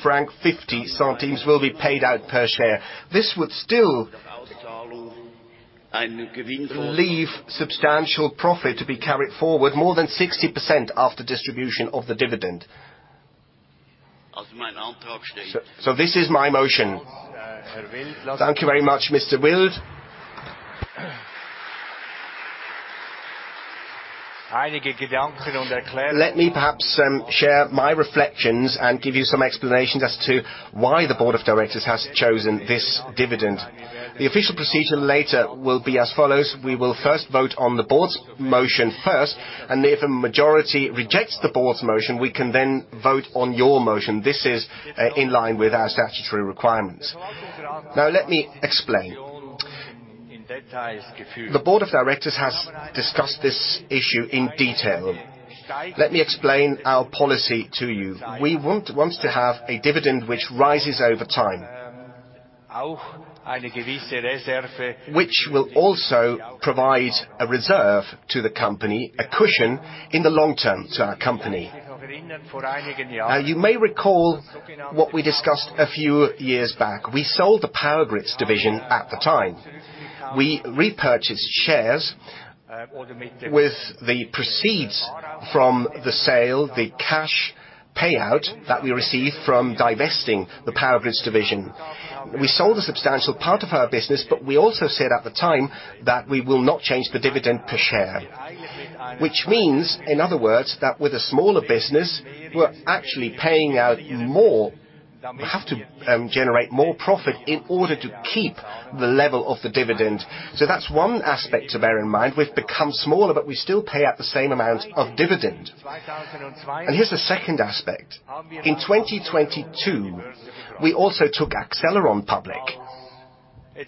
1.50 franc will be paid out per share. This would still leave substantial profit to be carried forward, more than 60% after distribution of the dividend. This is my motion. Thank you very much, Mr. Wild. Let me perhaps share my reflections and give you some explanations as to why the board of directors has chosen this dividend. The official procedure later will be as follows: We will first vote on the board's motion first, and if a majority rejects the board's motion, we can then vote on your motion. This is in line with our statutory requirements. Now let me explain. The board of directors has discussed this issue in detail. Let me explain our policy to you. We want to have a dividend which rises over time, which will also provide a reserve to the company, a cushion in the long term to our company. Now, you may recall what we discussed a few years back. We sold the Power Grids division at the time. We repurchased shares with the proceeds from the sale, the cash payout that we received from divesting the Power Grids division. We sold a substantial part of our business, we also said at the time that we will not change the dividend per share. Which means, in other words, that with a smaller business, we're actually paying out more. We have to generate more profit in order to keep the level of the dividend. That's one aspect to bear in mind. We've become smaller, we still pay out the same amount of dividend. Here's the second aspect. In 2022, we also took Accelleron public. You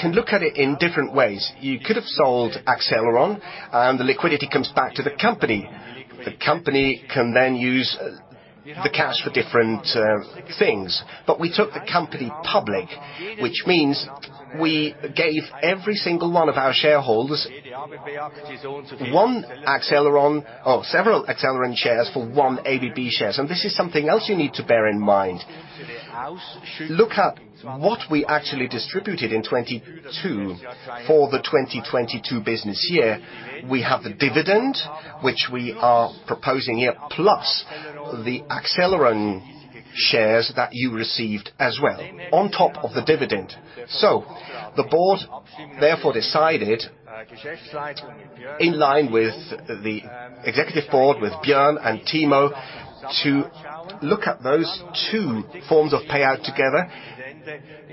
can look at it in different ways. You could have sold Accelleron, and the liquidity comes back to the company. The company can then use the cash for different things. We took the company public, which means we gave every single one of our shareholders one Accelleron or several Accelleron shares for one ABB share. This is something else you need to bear in mind. Look at what we actually distributed in 2022. For the 2022 business year, we have the dividend, which we are proposing here, plus the Accelleron shares that you received as well on top of the dividend. The board, therefore, decided, in line with the executive board, with Björn and Timo, to look at those two forms of payout together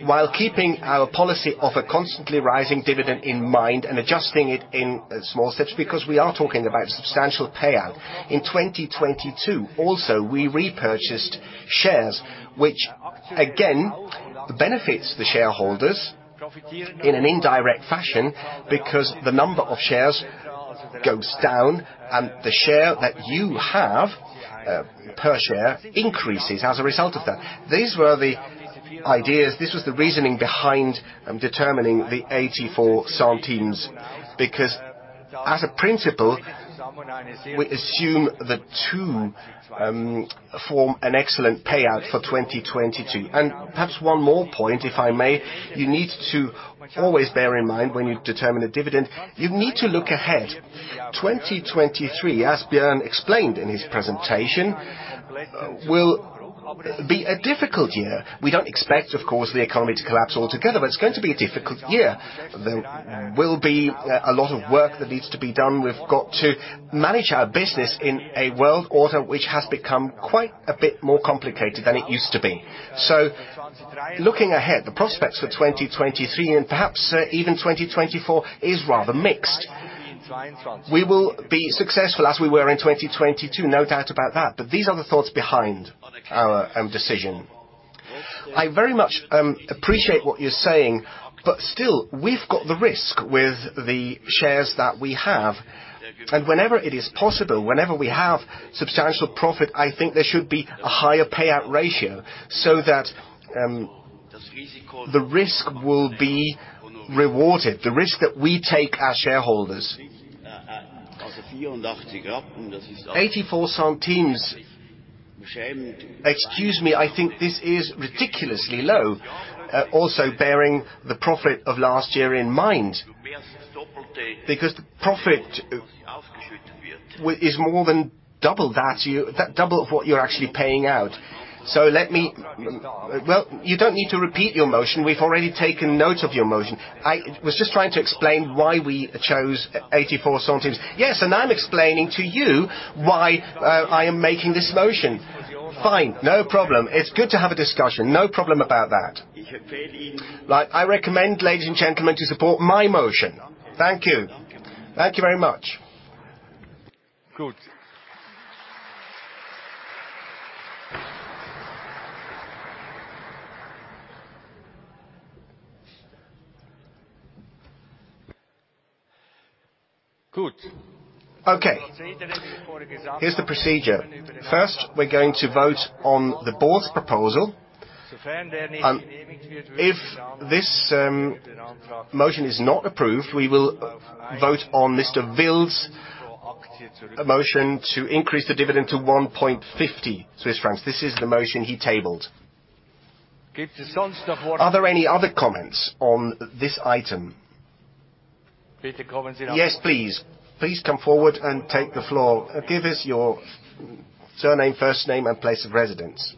while keeping our policy of a constantly rising dividend in mind and adjusting it in small steps, because we are talking about substantial payout. In 2022, also, we repurchased shares, which again benefits the shareholders in an indirect fashion because the number of shares goes down and the share that you have per share increases as a result of that. These were the ideas, this was the reasoning behind determining the 0.84, because as a principle, we assume the two form an excellent payout for 2022. Perhaps one more point, if I may. You need to always bear in mind when you determine a dividend, you need to look ahead. 2023, as Björn explained in his presentation, will be a difficult year. We don't expect, of course, the economy to collapse altogether, but it's going to be a difficult year. There will be a lot of work that needs to be done. We've got to manage our business in a world order which has become quite a bit more complicated than it used to be. Looking ahead, the prospects for 2023 and perhaps even 2024 is rather mixed. We will be successful as we were in 2022, no doubt about that, but these are the thoughts behind our decision. I very much appreciate what you're saying, but still, we've got the risk with the shares that we have. Whenever it is possible, whenever we have substantial profit, I think there should be a higher payout ratio so that the risk will be rewarded, the risk that we take as shareholders. CHF 0.84. Excuse me, I think this is ridiculously low, also bearing the profit of last year in mind. The profit is more than double that double of what you're actually paying out. Well, you don't need to repeat your motion. We've already taken note of your motion. I was just trying to explain why we chose 0.84. Yes, I'm explaining to you why I am making this motion. Fine. No problem. It's good to have a discussion. No problem about that. Like, I recommend, ladies and gentlemen, to support my motion. Thank you. Thank you very much. Good. Good. Okay, here's the procedure. First, we're going to vote on the board's proposal. If this motion is not approved, we will vote on Mr. Wild's motion to increase the dividend to 1.50 Swiss francs. This is the motion he tabled. Are there any other comments on this item? Yes, please. Please come forward and take the floor. Give us your surname, first name, and place of residence.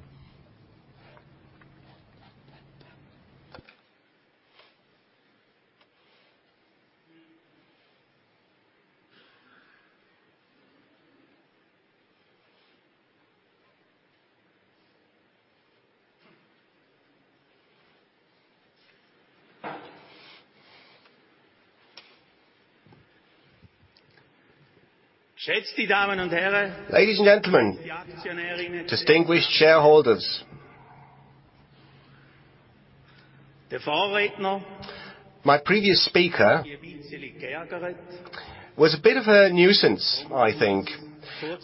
Ladies and gentlemen, distinguished shareholders, my previous speaker was a bit of a nuisance, I think,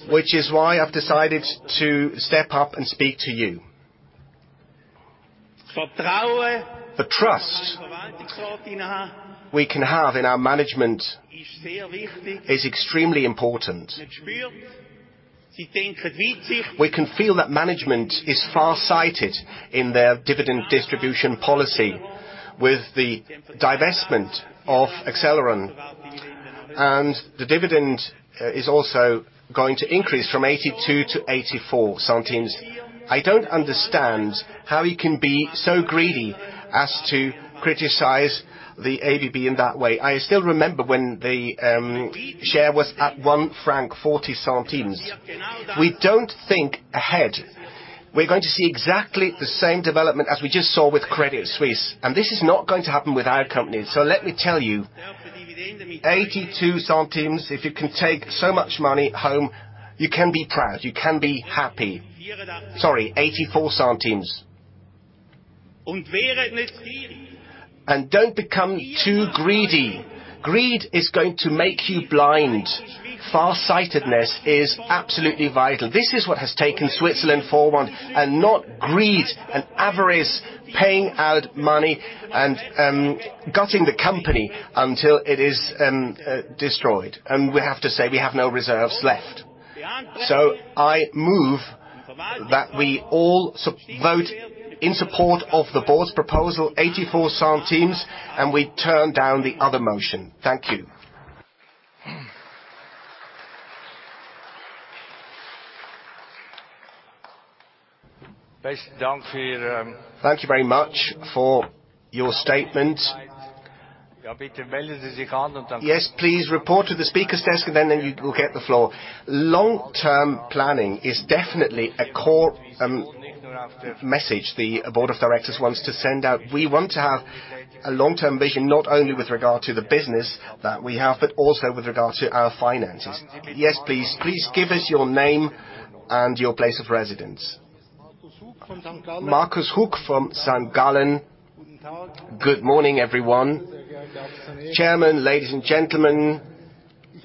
which is why I've decided to step up and speak to you. The trust we can have in our management is extremely important. We can feel that management is far-sighted in their dividend distribution policy with the divestment of Accelleron, and the dividend is also going to increase from 0.82 to 0.84. I don't understand how you can be so greedy as to criticize the ABB in that way. I still remember when the share was at 1.40 franc. We don't think ahead. We're going to see exactly the same development as we just saw with Credit Suisse. This is not going to happen with our company. Let me tell you, 0.82, if you can take so much money home, you can be proud. You can be happy. Sorry, 0.84. Don't become too greedy. Greed is going to make you blind. Far-sightedness is absolutely vital. This is what has taken Switzerland forward and not greed and avarice, paying out money and gutting the company until it is destroyed. We have to say we have no reserves left. I move that we all. Vote in support of the Board's proposal, 0.84. We turn down the other motion. Thank you. Thank you very much for your statement. Please report to the speaker's desk, then you will get the floor. Long-term planning is definitely a core message the Board of Directors wants to send out. We want to have a long-term vision, not only with regard to the business that we have, but also with regard to our finances. Please. Please give us your name and your place of residence. Markus Hug from St. Gallen. Good morning, everyone. Chairman, ladies and gentlemen,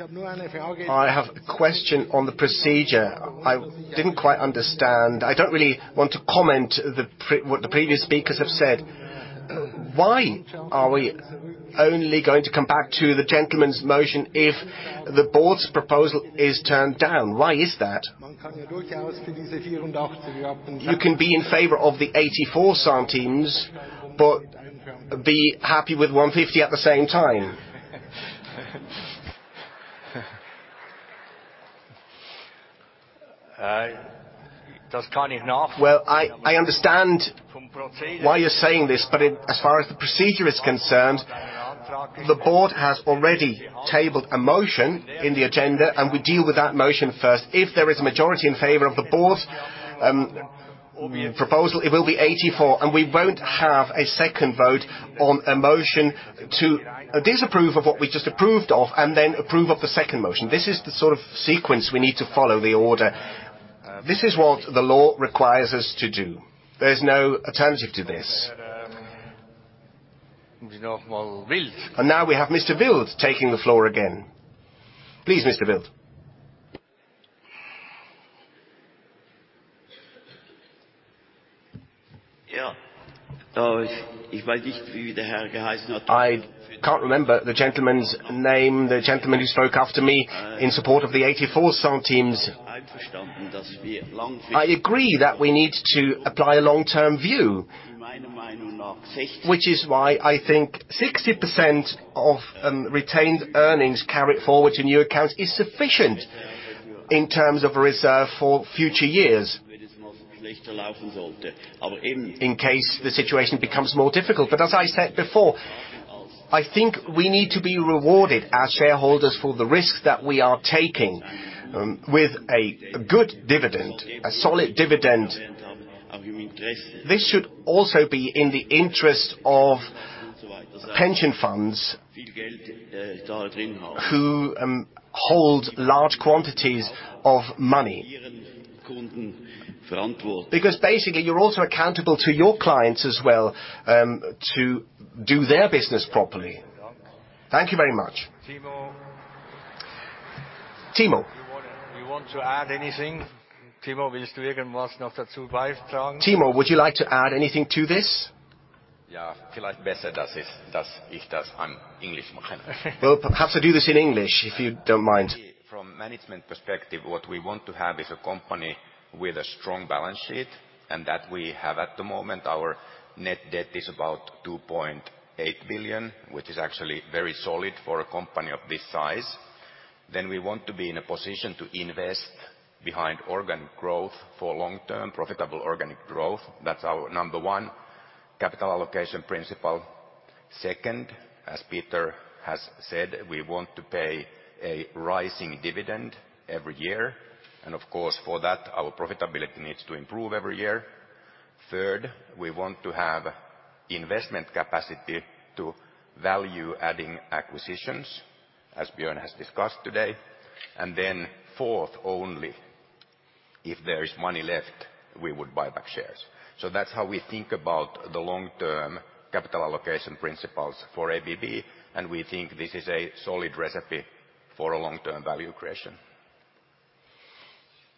I have a question on the procedure I didn't quite understand. I don't really want to comment what the previous speakers have said. Why are we only going to come back to the gentleman's motion if the Board's proposal is turned down? Why is that? You can be in favor of the 0.84 but be happy with 1.50 at the same time. Well, I understand why you're saying this, but as far as the procedure is concerned, the board has already tabled a motion in the agenda, and we deal with that motion first. If there is a majority in favor of the board's proposal, it will be 0.84, and we won't have a second vote on a motion to disapprove of what we just approved of and then approve of the second motion. This is the sort of sequence we need to follow the order. This is what the law requires us to do. There's no alternative to this. Now we have Mr. Wild taking the floor again. Please, Mr. Wild. I can't remember the gentleman's name, the gentleman who spoke after me in support of the CHF 0.84. I agree that we need to apply a long-term view, which is why I think 60% of retained earnings carried forward to new accounts is sufficient in terms of a reserve for future years in case the situation becomes more difficult. As I said before, I think we need to be rewarded as shareholders for the risks that we are taking, with a good dividend, a solid dividend. This should also be in the interest of pension funds who hold large quantities of money. Basically, you're also accountable to your clients as well, to do their business properly. Thank you very much. Timo. Do you want to add anything? Timo, would you like to add anything to this? Well, perhaps I do this in English, if you don't mind. From management perspective, what we want to have is a company with a strong balance sheet, and that we have at the moment. Our net debt is about $2.8 billion, which is actually very solid for a company of this size. We want to be in a position to invest behind organic growth for long-term, profitable organic growth. That's our number one capital allocation principle. Second, as Peter Voser has said, we want to pay a rising dividend every year. Of course, for that, our profitability needs to improve every year. Third, we want to have investment capacity to value-adding acquisitions, as Björn Rosengren has discussed today. Fourth, only if there is money left, we would buy back shares. That's how we think about the long-term capital allocation principles for ABB, and we think this is a solid recipe for a long-term value creation.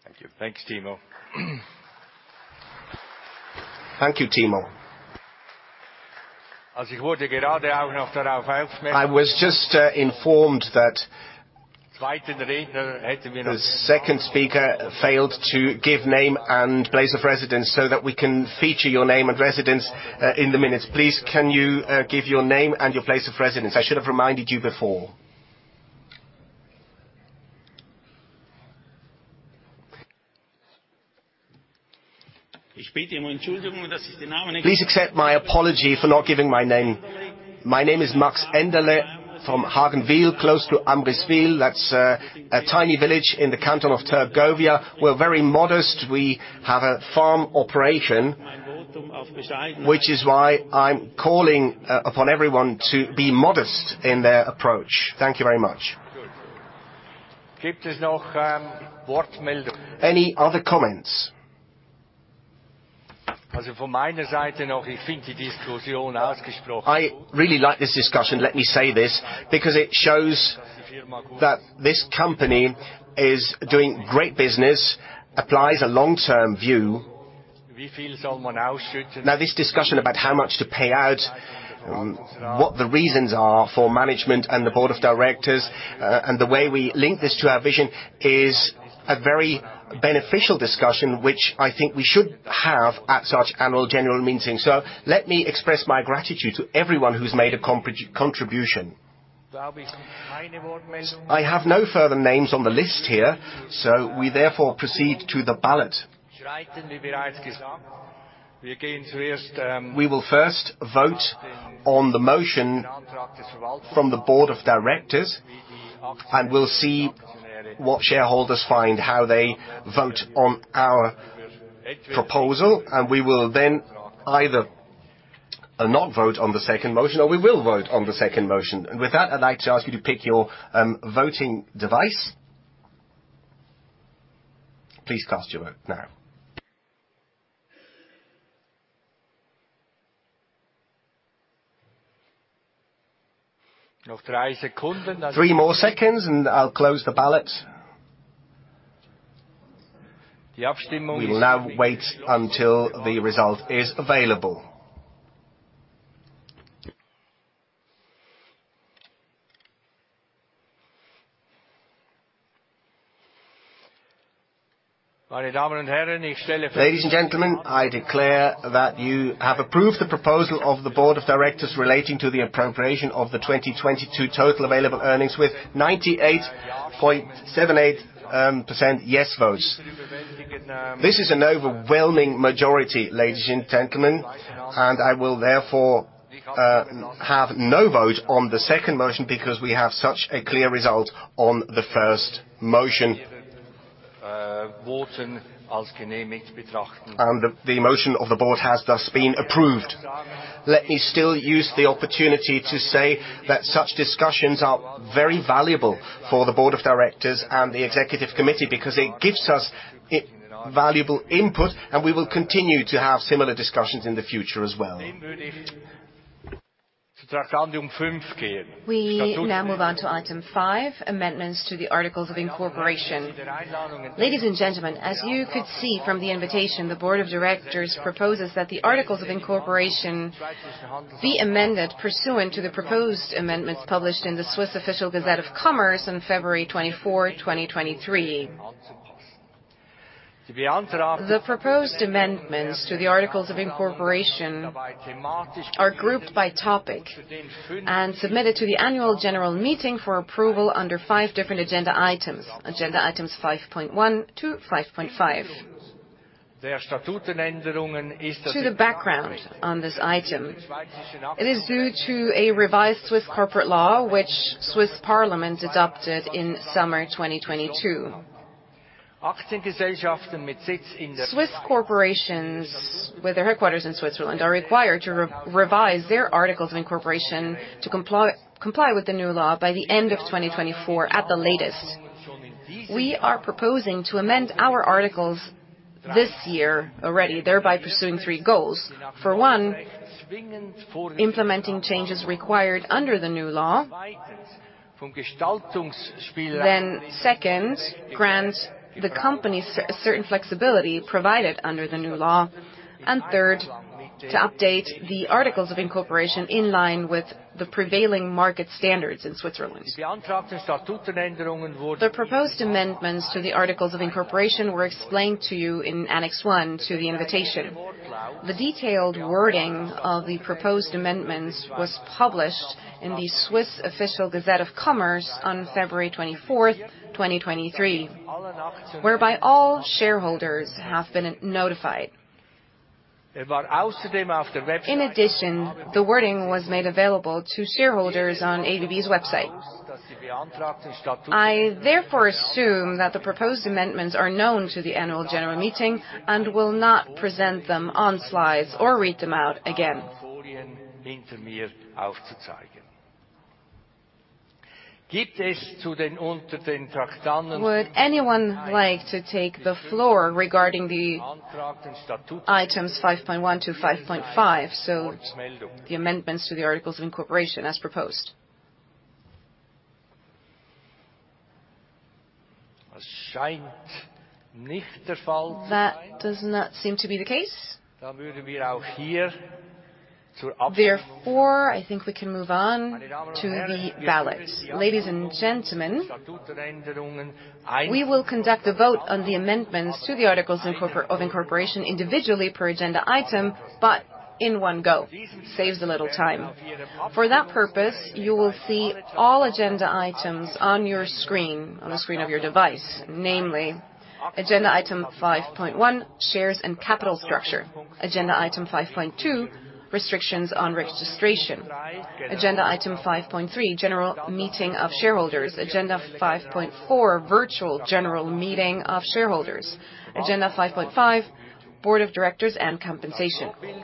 Thank you. Thanks, Timo. Thank you, Timo. I was just informed the second speaker failed to give name and place of residence so that we can feature your name and residence, in the minutes. Please can you give your name and your place of residence? I should have reminded you before. Please accept my apology for not giving my name. My name is Max Enderli from Hagenwil, close to Amriswil. That's a tiny village in the Canton of Thurgovia. We're very modest. We have a farm operation. Which is why I'm calling upon everyone to be modest in their approach. Thank you very much. Any other comments? I really like this discussion, let me say this, because it shows that this company is doing great business, applies a long-term view. Now this discussion about how much to pay out, what the reasons are for management and the board of directors, and the way we link this to our vision is a very beneficial discussion, which I think we should have at such annual general meetings. Let me express my gratitude to everyone who's made a contribution. I have no further names on the list here, We therefore proceed to the ballot. We will first vote on the motion from the board of directors, and we'll see what shareholders find, how they vote on our proposal, and we will then either not vote on the second motion, or we will vote on the second motion. With that, I'd like to ask you to pick your voting device. Please cast your vote now. Three more seconds, and I'll close the ballot. We will now wait until the result is available. Ladies and gentlemen, I declare that you have approved the proposal of the Board of Directors relating to the appropriation of the 2022 total available earnings with 98.78% yes votes. This is an overwhelming majority, ladies and gentlemen, I will therefore have no vote on the second motion because we have such a clear result on the first motion. The motion of the Board has thus been approved. Let me still use the opportunity to say that such discussions are very valuable for the Board of Directors and the Executive Committee because it gives us valuable input, and we will continue to have similar discussions in the future as well. We now move on to item 5, amendments to the articles of incorporation. Ladies and gentlemen, as you could see from the invitation, the board of directors proposes that the articles of incorporation be amended pursuant to the proposed amendments published in the Swiss Official Gazette of Commerce on February 24, 2023. The proposed amendments to the articles of incorporation are grouped by topic and submitted to the annual general meeting for approval under five different agenda items, agenda items 5.1 to 5.5. To the background on this item, it is due to a revised Swiss corporate law, which Swiss Parliament adopted in summer 2022. Swiss corporations with their headquarters in Switzerland are required to comply with the new law by the end of 2024 at the latest. We are proposing to amend our articles this year already, thereby pursuing three goals. For one, implementing changes required under the new law. Second, grant the company certain flexibility provided under the new law. Third, to update the articles of incorporation in line with the prevailing market standards in Switzerland. The proposed amendments to the articles of incorporation were explained to you in Annex 1 to the invitation. The detailed wording of the proposed amendments was published in the Swiss Official Gazette of Commerce on February 24th, 2023, whereby all shareholders have been notified. In addition, the wording was made available to shareholders on ABB's website. I therefore assume that the proposed amendments are known to the annual general meeting and will not present them on slides or read them out again. Would anyone like to take the floor regarding the items 5.1 to 5.5, so the amendments to the articles of incorporation as proposed? That does not seem to be the case. I think we can move on to the ballot. Ladies and gentlemen, we will conduct a vote on the amendments to the articles of incorporation individually per agenda item, but in one go. Saves a little time. For that purpose, you will see all agenda items on your screen, on the screen of your device. Namely, agenda item 5.1, shares and capital structure. Agenda item 5.2, restrictions on registration. Agenda item 5.3, general meeting of shareholders. Agenda 5.4, virtual general meeting of shareholders. Agenda 5.5, board of directors and compensation. Since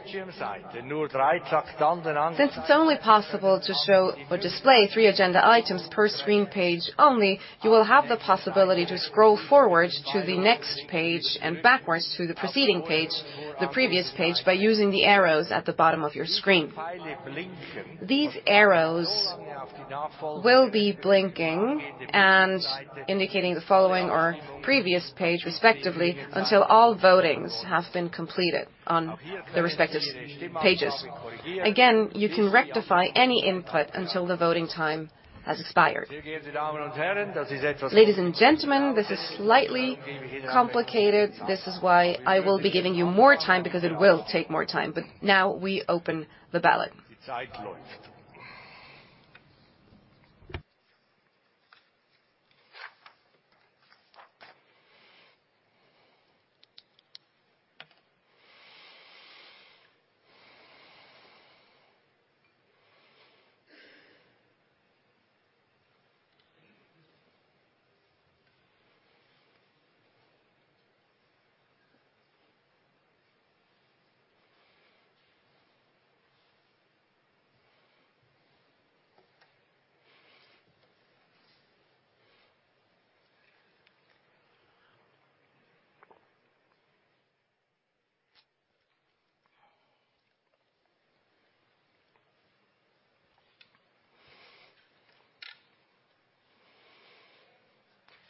it's only possible to show or display three agenda items per screen page only, you will have the possibility to scroll forward to the next page and backwards to the preceding page, the previous page, by using the arrows at the bottom of your screen. These arrows will be blinking and indicating the following or previous page respectively until all votings have been completed on the respective pages. Again, you can rectify any input until the voting time has expired. Ladies and gentlemen, this is slightly complicated. This is why I will be giving you more time, because it will take more time. Now we open the ballot.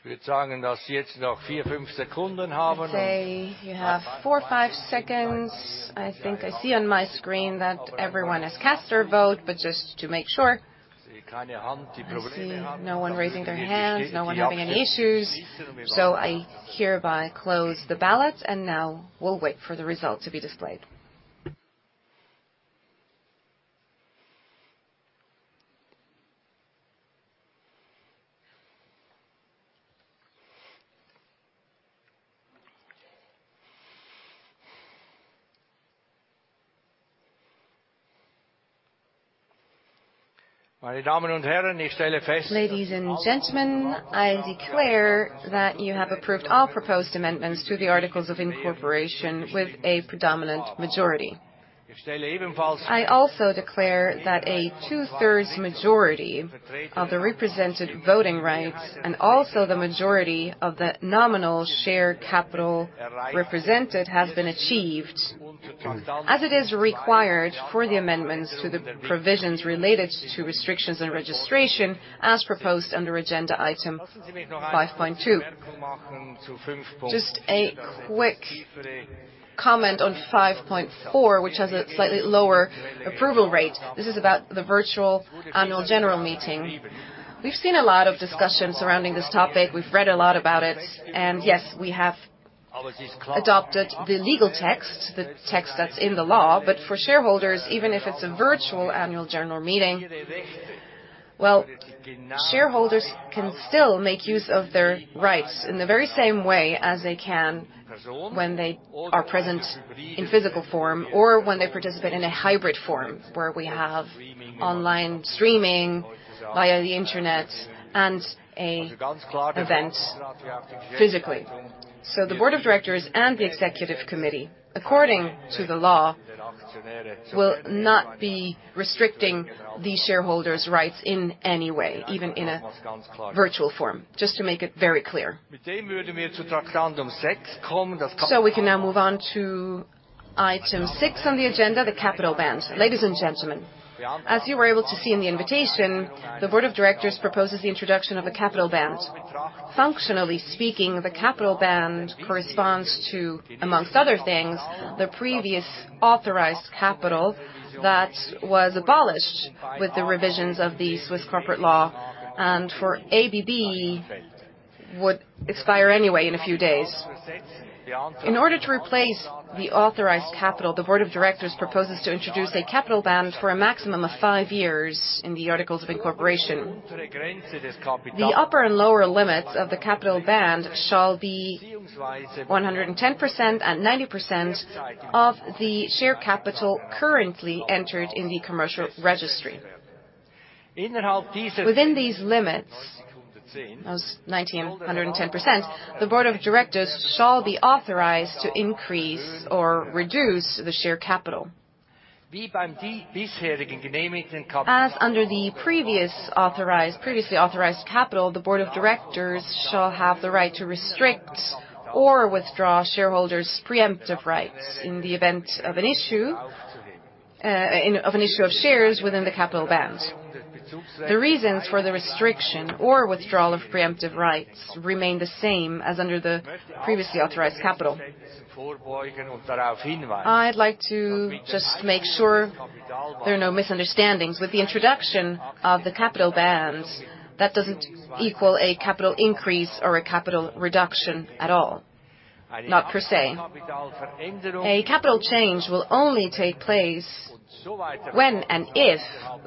I would say you have four, five seconds. I think I see on my screen that everyone has cast their vote, but just to make sure. I see no one raising their hands, no one having any issues. I hereby close the ballot. Now we'll wait for the result to be displayed. Ladies and gentlemen, I declare that you have approved all proposed amendments to the articles of incorporation with a predominant majority. I also declare that a two-thirds majority of the represented voting rights and also the majority of the nominal share capital represented has been achieved. As it is required for the amendments to the provisions related to restrictions and registration as proposed under agenda item 5.2. Just a quick comment on 5.4, which has a slightly lower approval rate. This is about the virtual annual general meeting. We've seen a lot of discussion surrounding this topic. We've read a lot about it. Yes, we have adopted the legal text, the text that's in the law. For shareholders, even if it's a virtual annual general meeting, well, shareholders can still make use of their rights in the very same way as they can when they are present in physical form or when they participate in a hybrid form where we have online streaming via the Internet and a event physically. The board of directors and the executive committee, according to the law, will not be restricting the shareholders' rights in any way, even in a virtual form, just to make it very clear. We can now move on to item six on the agenda, the capital band. Ladies and gentlemen, as you were able to see in the invitation, the board of directors proposes the introduction of a capital band. Functionally speaking, the capital band corresponds to, amongst other things, the previous authorized capital that was abolished with the revisions of the Swiss corporate law, and for ABB, would expire anyway in a few days. In order to replace the authorized capital, the board of directors proposes to introduce a capital band for a maximum of five years in the articles of incorporation. The upper and lower limits of the capital band shall be 110% and 90% of the share capital currently entered in the commercial registry. Within these limits, those 90% and 110%, the board of directors shall be authorized to increase or reduce the share capital. As under the previously authorized capital, the board of directors shall have the right to restrict or withdraw shareholders' preemptive rights in the event of an issue of shares within the capital band. The reasons for the restriction or withdrawal of preemptive rights remain the same as under the previously authorized capital. I'd like to just make sure there are no misunderstandings. With the introduction of the capital bands, that doesn't equal a capital increase or a capital reduction at all. Not per se. A capital change will only take place when and if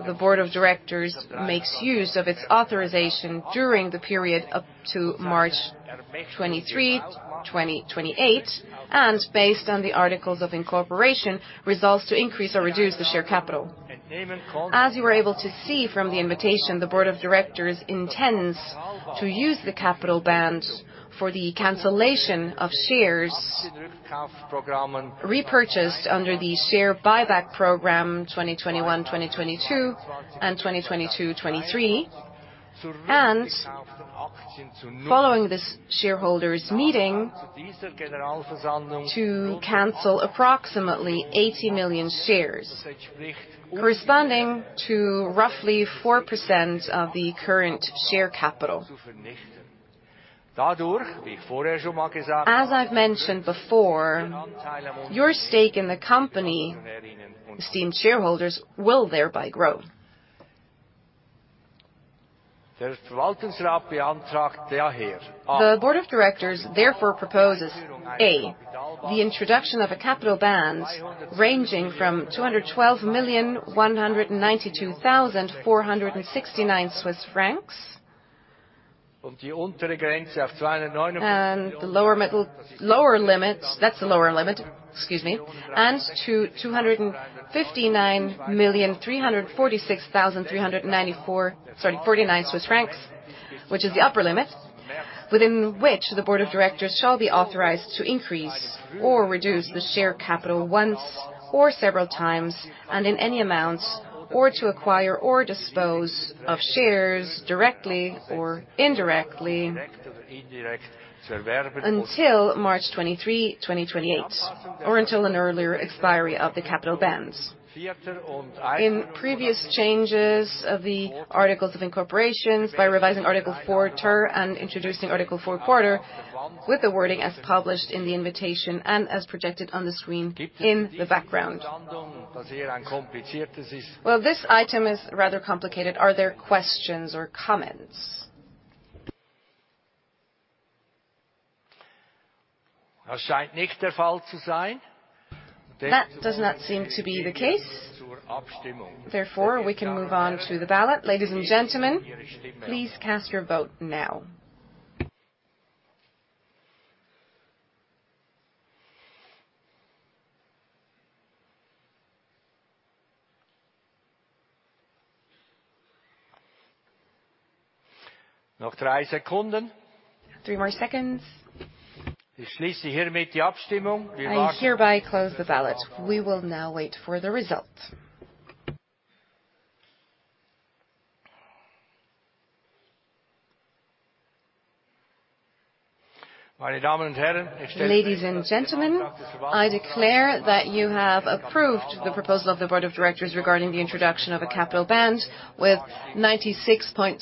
the board of directors makes use of its authorization during the period up to March 23, 2028, and based on the articles of incorporation, resolves to increase or reduce the share capital. As you were able to see from the invitation, the board of directors intends to use the capital band for the cancellation of shares repurchased under the share buyback program 2021, 2022, and 2022, 2023. Following this shareholders meeting to cancel approximately 80 million shares corresponding to roughly 4% of the current share capital. As I've mentioned before, your stake in the company, esteemed shareholders, will thereby grow. The board of directors therefore proposes, A, the introduction of a capital band ranging from 212,192,469 Swiss francs. That's the lower limit. To 259,346,349 Swiss francs, which is the upper limit, within which the board of directors shall be authorized to increase or reduce the share capital once or several times and in any amount, or to acquire or dispose of shares directly or indirectly until March 23, 2028, or until an earlier expiry of the capital band. In previous changes of the articles of incorporations, by revising Article 4 ter and introducing Article 4 quarter with the wording as published in the invitation and as projected on the screen in the background. This item is rather complicated. Are there questions or comments? That does not seem to be the case. We can move on to the ballot. Ladies and gentlemen, please cast your vote now. Three more seconds. I hereby close the ballot. We will now wait for the result. Ladies and gentlemen, I declare that you have approved the proposal of the Board of Directors regarding the introduction of a capital band with 96.72%.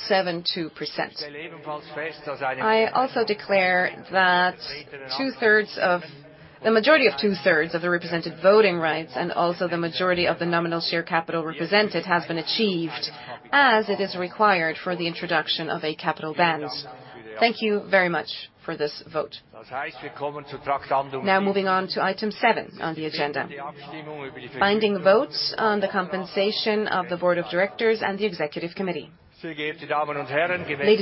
I also declare that the majority of two-thirds of the represented voting rights and also the majority of the nominal share capital represented has been achieved as it is required for the introduction of a capital band. Thank you very much for this vote. Moving on to item seven on the agenda. Binding votes on the compensation of the Board of Directors and the Executive Committee. Ladies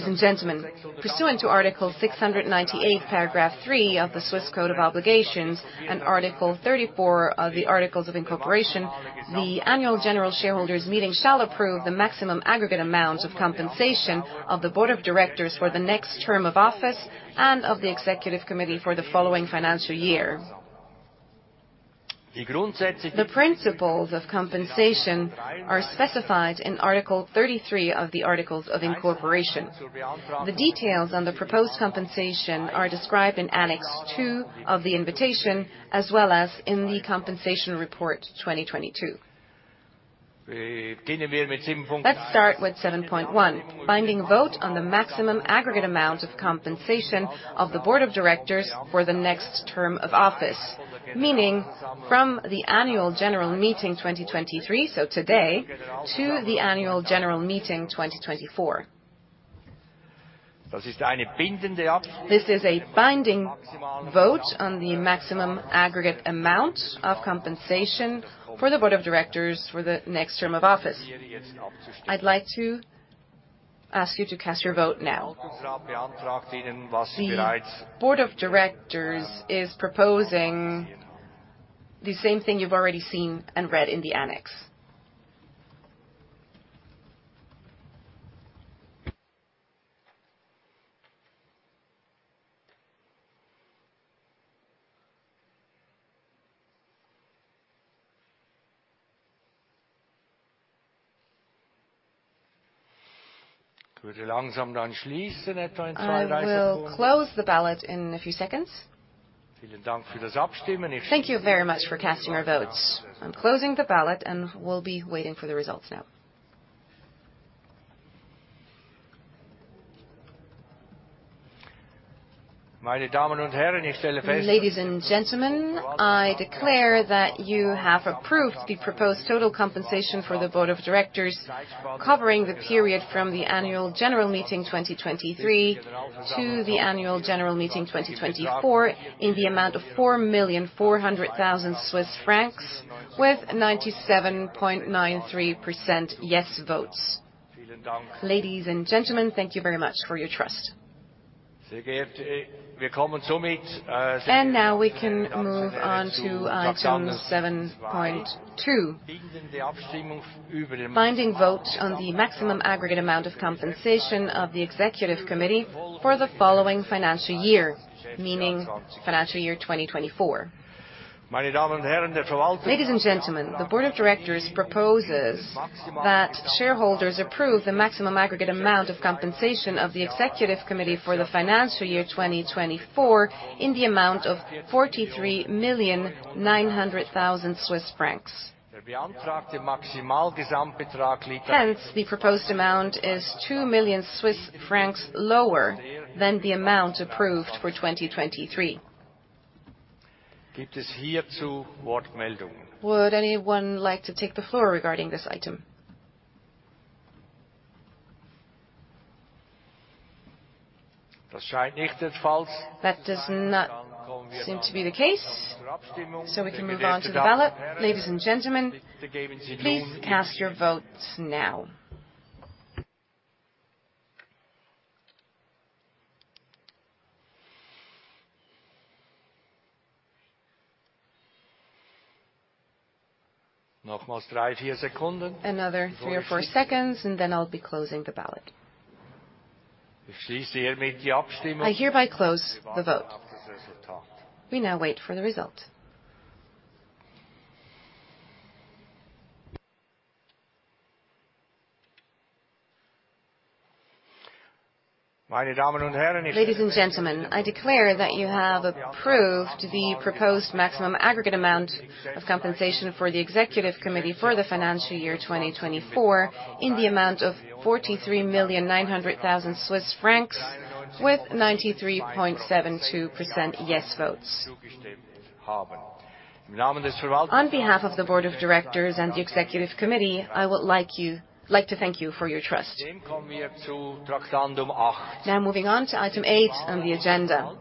and gentlemen, pursuant to Article 698, paragraph 3 of the Swiss Code of Obligations and Article 34 of the Articles of Incorporation, the annual general shareholders meeting shall approve the maximum aggregate amount of compensation of the board of directors for the next term of office and of the executive committee for the following financial year. The principles of compensation are specified in Article 33 of the Articles of Incorporation. The details on the proposed compensation are described in Annex 2 of the invitation, as well as in the compensation report 2022. Let's start with 7.1, binding vote on the maximum aggregate amount of compensation of the board of directors for the next term of office, meaning from the annual general meeting 2023, so today, to the annual general meeting 2024. This is a binding vote on the maximum aggregate amount of compensation for the board of directors for the next term of office. I'd like to ask you to cast your vote now. The board of directors is proposing the same thing you've already seen and read in the annex. I will close the ballot in a few seconds. Thank you very much for casting your votes. I'm closing the ballot, and we'll be waiting for the results now. Ladies and gentlemen, I declare that you have approved the proposed total compensation for the board of directors covering the period from the annual general meeting 2023 to the annual general meeting 2024 in the amount of 4.4 million Swiss francs with 97.93% yes votes. Ladies and gentlemen, thank you very much for your trust. Now we can move on to item 7.2, binding vote on the maximum aggregate amount of compensation of the Executive Committee for the following financial year, meaning financial year 2024. Ladies and gentlemen, the Board of Directors proposes that shareholders approve the maximum aggregate amount of compensation of the Executive Committee for the financial year 2024 in the amount of 43.9 million Swiss francs. Hence, the proposed amount is 2 million Swiss francs lower than the amount approved for 2023. Would anyone like to take the floor regarding this item? That does not seem to be the case, we can move on to the ballot. Ladies and gentlemen, please cast your votes now. Another three or four seconds, then I'll be closing the ballot. I hereby close the vote. We now wait for the result. Ladies and gentlemen, I declare that you have approved the proposed maximum aggregate amount of compensation for the Executive Committee for the financial year 2024 in the amount of 43.9 million Swiss francs with 93.72% yes votes. On behalf of the Board of Directors and the Executive Committee, I would like to thank you for your trust. Moving on to item eight on the agenda,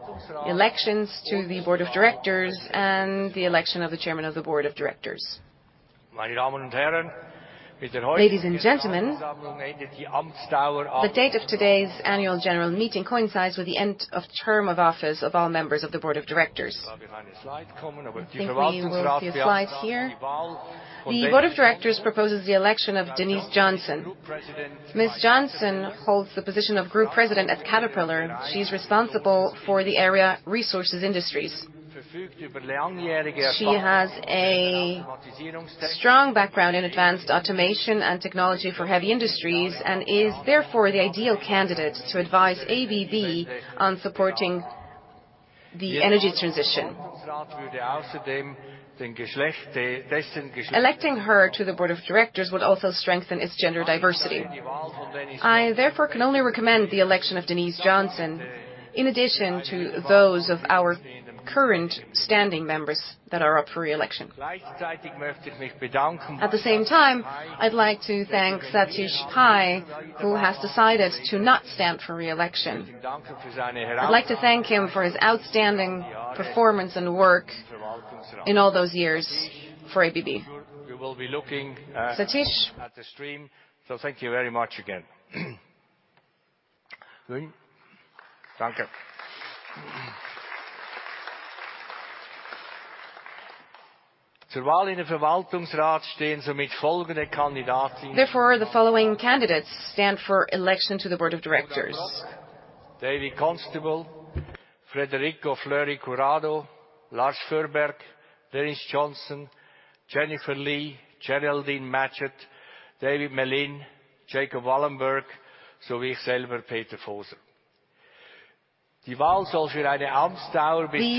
elections to the Board of Directors and the election of the Chairman of the Board of Directors. Ladies and gentlemen, the date of today's Annual General Meeting coincides with the end of term of office of all members of the Board of Directors. If we go to the slides here. The Board of Directors proposes the election of Denise Johnson. Ms. Johnson holds the position of group president at Caterpillar. She's responsible for the area resources industries. She has a strong background in advanced automation and technology for heavy industries and is therefore the ideal candidate to advise ABB on supporting the energy transition. Electing her to the board of directors would also strengthen its gender diversity. I therefore can only recommend the election of Denise Johnson in addition to those of our current standing members that are up for re-election. At the same time, I'd like to thank Satish Pai, who has decided to not stand for re-election. I'd like to thank him for his outstanding performance and work in all those years for ABB. We will be. Satish- at the stream, so thank you very much again. Danke. The following candidates stand for election to the board of directors. David Constable, Frederico Fleury Curado, Lars Förberg, Denise Johnson, Jennifer Xin-Zhe Li, Geraldine Matchett, David Meline, Jacob Wallenberg, sowie ich selber, Peter Voser. The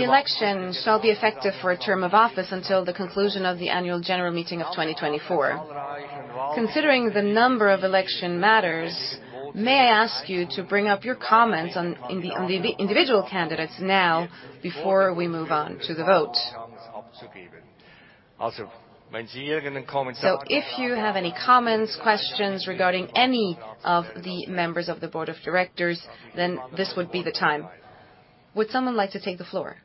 election shall be effective for a term of office until the conclusion of the annual general meeting of 2024. Considering the number of election matters, may I ask you to bring up your comments on the individual candidates now before we move on to the vote? If you have any comments, questions regarding any of the members of the board of directors, then this would be the time. Would someone like to take the floor?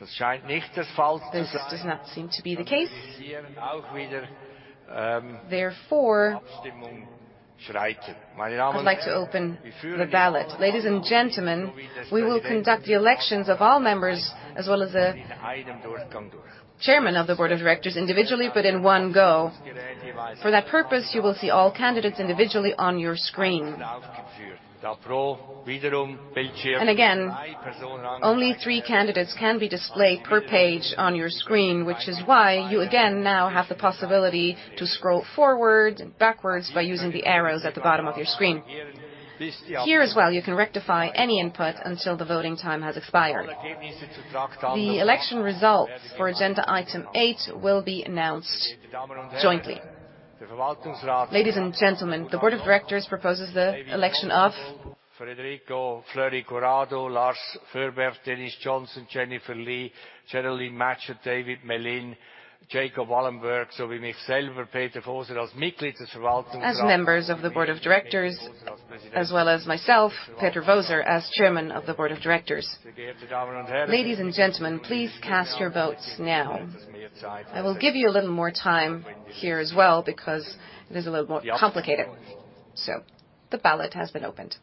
This does not seem to be the case. I'd like to open the ballot. Ladies and gentlemen, we will conduct the elections of all members as well as the chairman of the board of directors individually, but in one go. For that purpose, you will see all candidates individually on your screen. Again, only three candidates can be displayed per page on your screen, which is why you again now have the possibility to scroll forward and backwards by using the arrows at the bottom of your screen. Here as well, you can rectify any input until the voting time has expired. The election results for agenda item eight will be announced jointly. Ladies and gentlemen, the board of directors proposes the election of Frederico Fleury Curado, Lars Förberg, Denise Johnson, Jennifer Xin-Zhe Li, Geraldine Matchett, David Meline, Jacob Wallenberg, sowie mich selber, Peter Voser, als Mitglied des Verwaltungsrats. As members of the board of directors, as well as myself, Peter Voser, as Chairman of the Board of Directors. Ladies and gentlemen, please cast your votes now. I will give you a little more time here as well because it is a little more complicated. The ballot has been opened.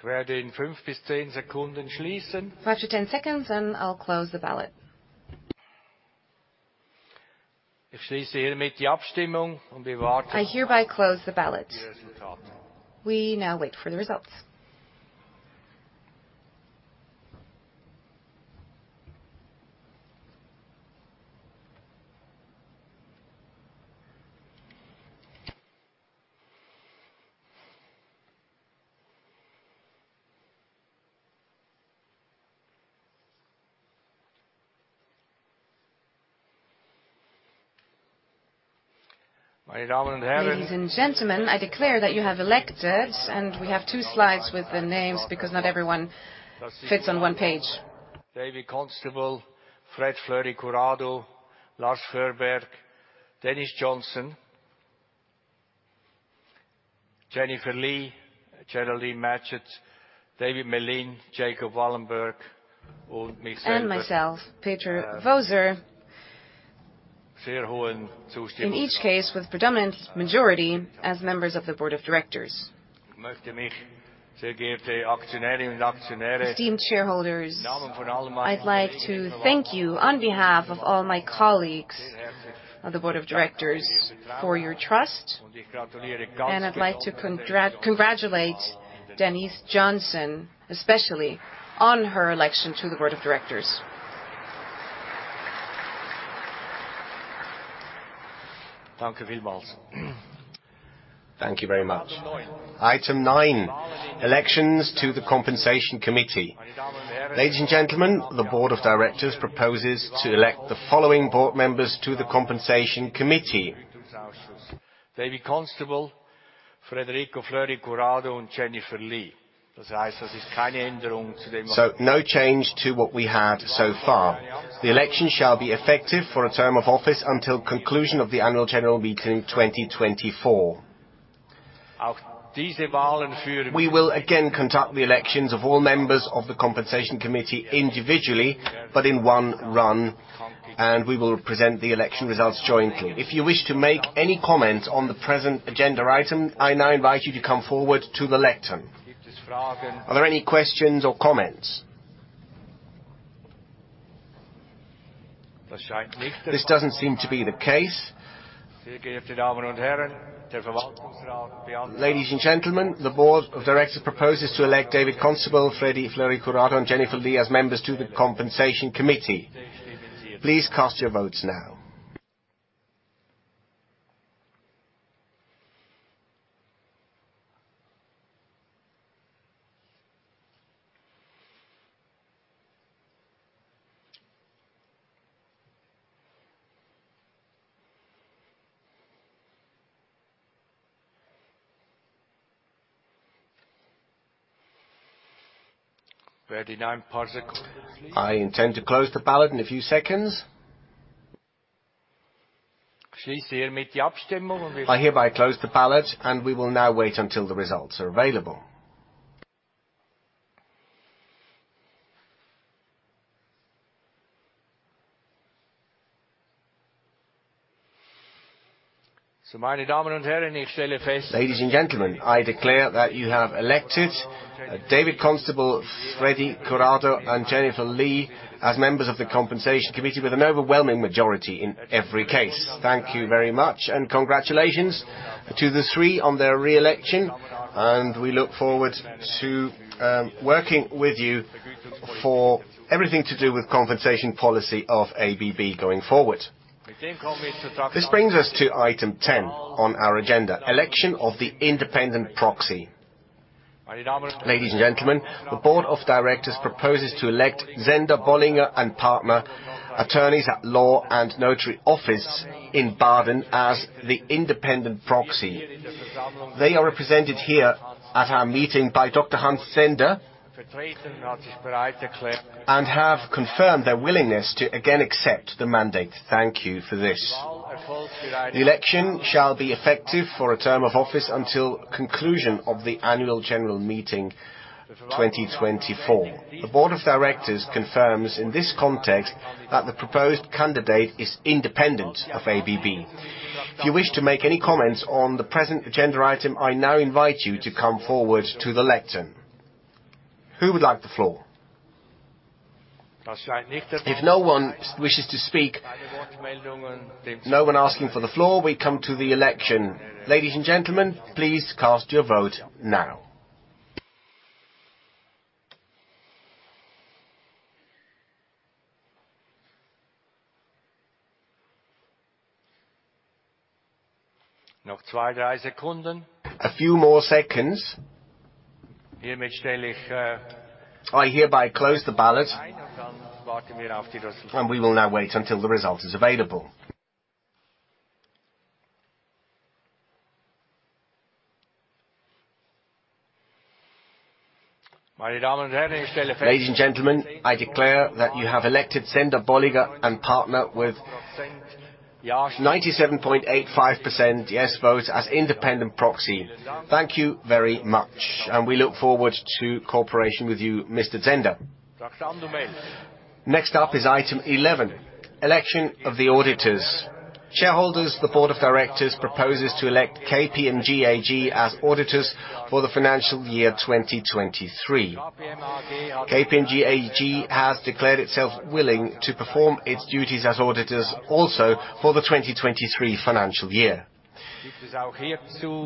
Ich werde in 5 bis 10 Sekunden schließen. Five to 10 seconds, and I'll close the ballot. Ich schließe hiermit die Abstimmung und wir warten auf das Ergebnis. I hereby close the ballot. We now wait for the results. Ladies and gentlemen, I declare that you have elected. We have two slides with the names because not everyone fits on one page. David Constable, Fred Fleury Curado, Lars Föhrberg, Denise Johnson, Jennifer Xin-Zhe Li, Geraldine Matchett, David Meline, Jacob Wallenberg und mich selber. Myself, Peter Voser. In each case, with predominant majority as members of the board of directors. Sehr geehrte Aktionärinnen und Aktionäre. Esteemed shareholders, I'd like to thank you on behalf of all my colleagues on the board of directors for your trust. I'd like to congratulate Denise Johnson, especially on her election to the board of directors. Danke vielmals. Thank you very much. Item nine, elections to the Compensation Committee. Ladies and gentlemen, the board of directors proposes to elect the following board members to the Compensation Committee. David Constable, Frederico Fleury Curado und Jennifer Xin-Zhe Li. Das heißt, das ist keine Änderung zu dem, was wir schon haben. No change to what we had so far. The election shall be effective for a term of office until conclusion of the annual general meeting 2024. We will again conduct the elections of all members of the Compensation Committee individually, but in one run, and we will present the election results jointly. If you wish to make any comment on the present agenda item, I now invite you to come forward to the lectern. Are there any questions or comments? This doesn't seem to be the case. Ladies and gentlemen, the board of directors proposes to elect David Constable, Freddy Fleury Curado, and Jennifer Xin-Zhe Li as members to the Compensation Committee. Please cast your votes now. I intend to close the ballot in a few seconds. I hereby close the ballot, and we will now wait until the results are available. Ladies and gentlemen, I declare that you have elected David Constable, Freddy Curado, and Jennifer Xin-Zhe Li as members of the Compensation Committee with an overwhelming majority in every case. Thank you very much and congratulations to the three on their re-election, and we look forward to working with you for everything to do with compensation policy of ABB going forward. This brings us to item 10 on our agenda, election of the independent proxy. Ladies and gentlemen, the board of directors proposes to elect Zehnder Bolliger & Partner, attorneys at law and notary office in Baden, as the independent proxy. They are represented here at our meeting by Dr. Hans Zehnder, and have confirmed their willingness to again accept the mandate. Thank you for this. The election shall be effective for a term of office until conclusion of the annual general meeting 2024. The board of directors confirms in this context that the proposed candidate is independent of ABB. If you wish to make any comments on the present agenda item, I now invite you to come forward to the lectern. Who would like the floor? If no one wishes to speak, no one asking for the floor, we come to the election. Ladies and gentlemen, please cast your vote now. A few more seconds. I hereby close the ballot, and we will now wait until the result is available. Ladies and gentlemen, I declare that you have elected Zehnder Bolliger & Partner with 97.85% yes votes as independent proxy. Thank you very much. We look forward to cooperation with you, Mr. Zehnder. Next up is item 11, election of the auditors. Shareholders, the board of directors proposes to elect KPMG AG as auditors for the financial year 2023. KPMG AG has declared itself willing to perform its duties as auditors also for the 2023 financial year.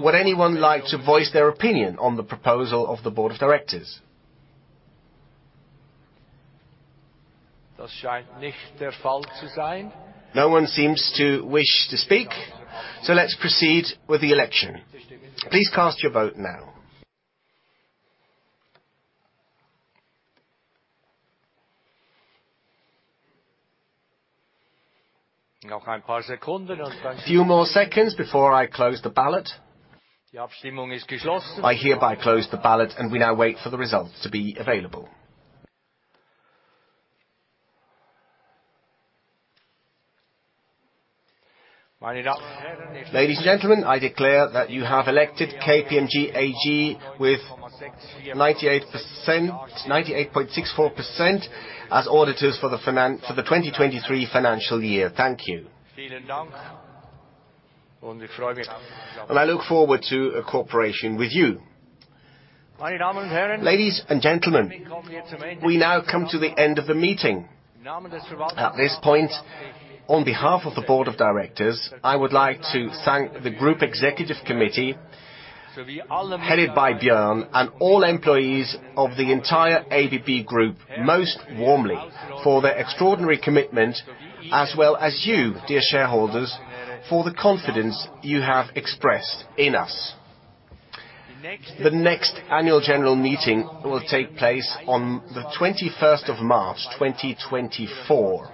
Would anyone like to voice their opinion on the proposal of the board of directors? No one seems to wish to speak, so let's proceed with the election. Please cast your vote now. A few more seconds before I close the ballot. I hereby close the ballot, and we now wait for the results to be available. Ladies and gentlemen, I declare that you have elected KPMG AG with 98.64% as auditors for the 2023 financial year. Thank you. I look forward to a cooperation with you. Ladies and gentlemen, we now come to the end of the meeting. At this point, on behalf of the board of directors, I would like to thank the group executive committee, headed by Björn, and all employees of the entire ABB Group most warmly for their extraordinary commitment, as well as you, dear shareholders, for the confidence you have expressed in us. The next annual general meeting will take place on the 21st of March, 2024.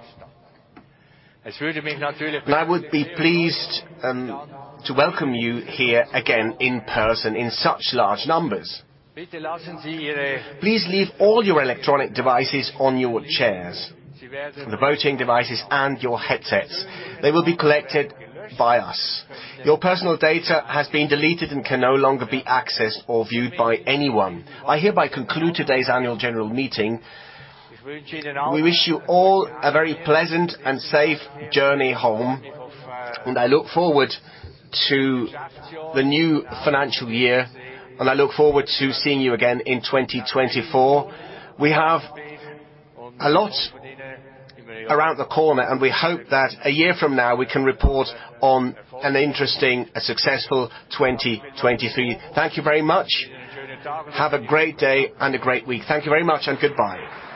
I would be pleased to welcome you here again in person in such large numbers. Please leave all your electronic devices on your chairs, the voting devices and your headsets. They will be collected by us. Your personal data has been deleted and can no longer be accessed or viewed by anyone. I hereby conclude today's annual general meeting. We wish you all a very pleasant and safe journey home. I look forward to the new financial year. I look forward to seeing you again in 2024. We have a lot around the corner. We hope that a year from now, we can report on an interesting, a successful 2023. Thank you very much. Have a great day and a great week. Thank you very much and goodbye.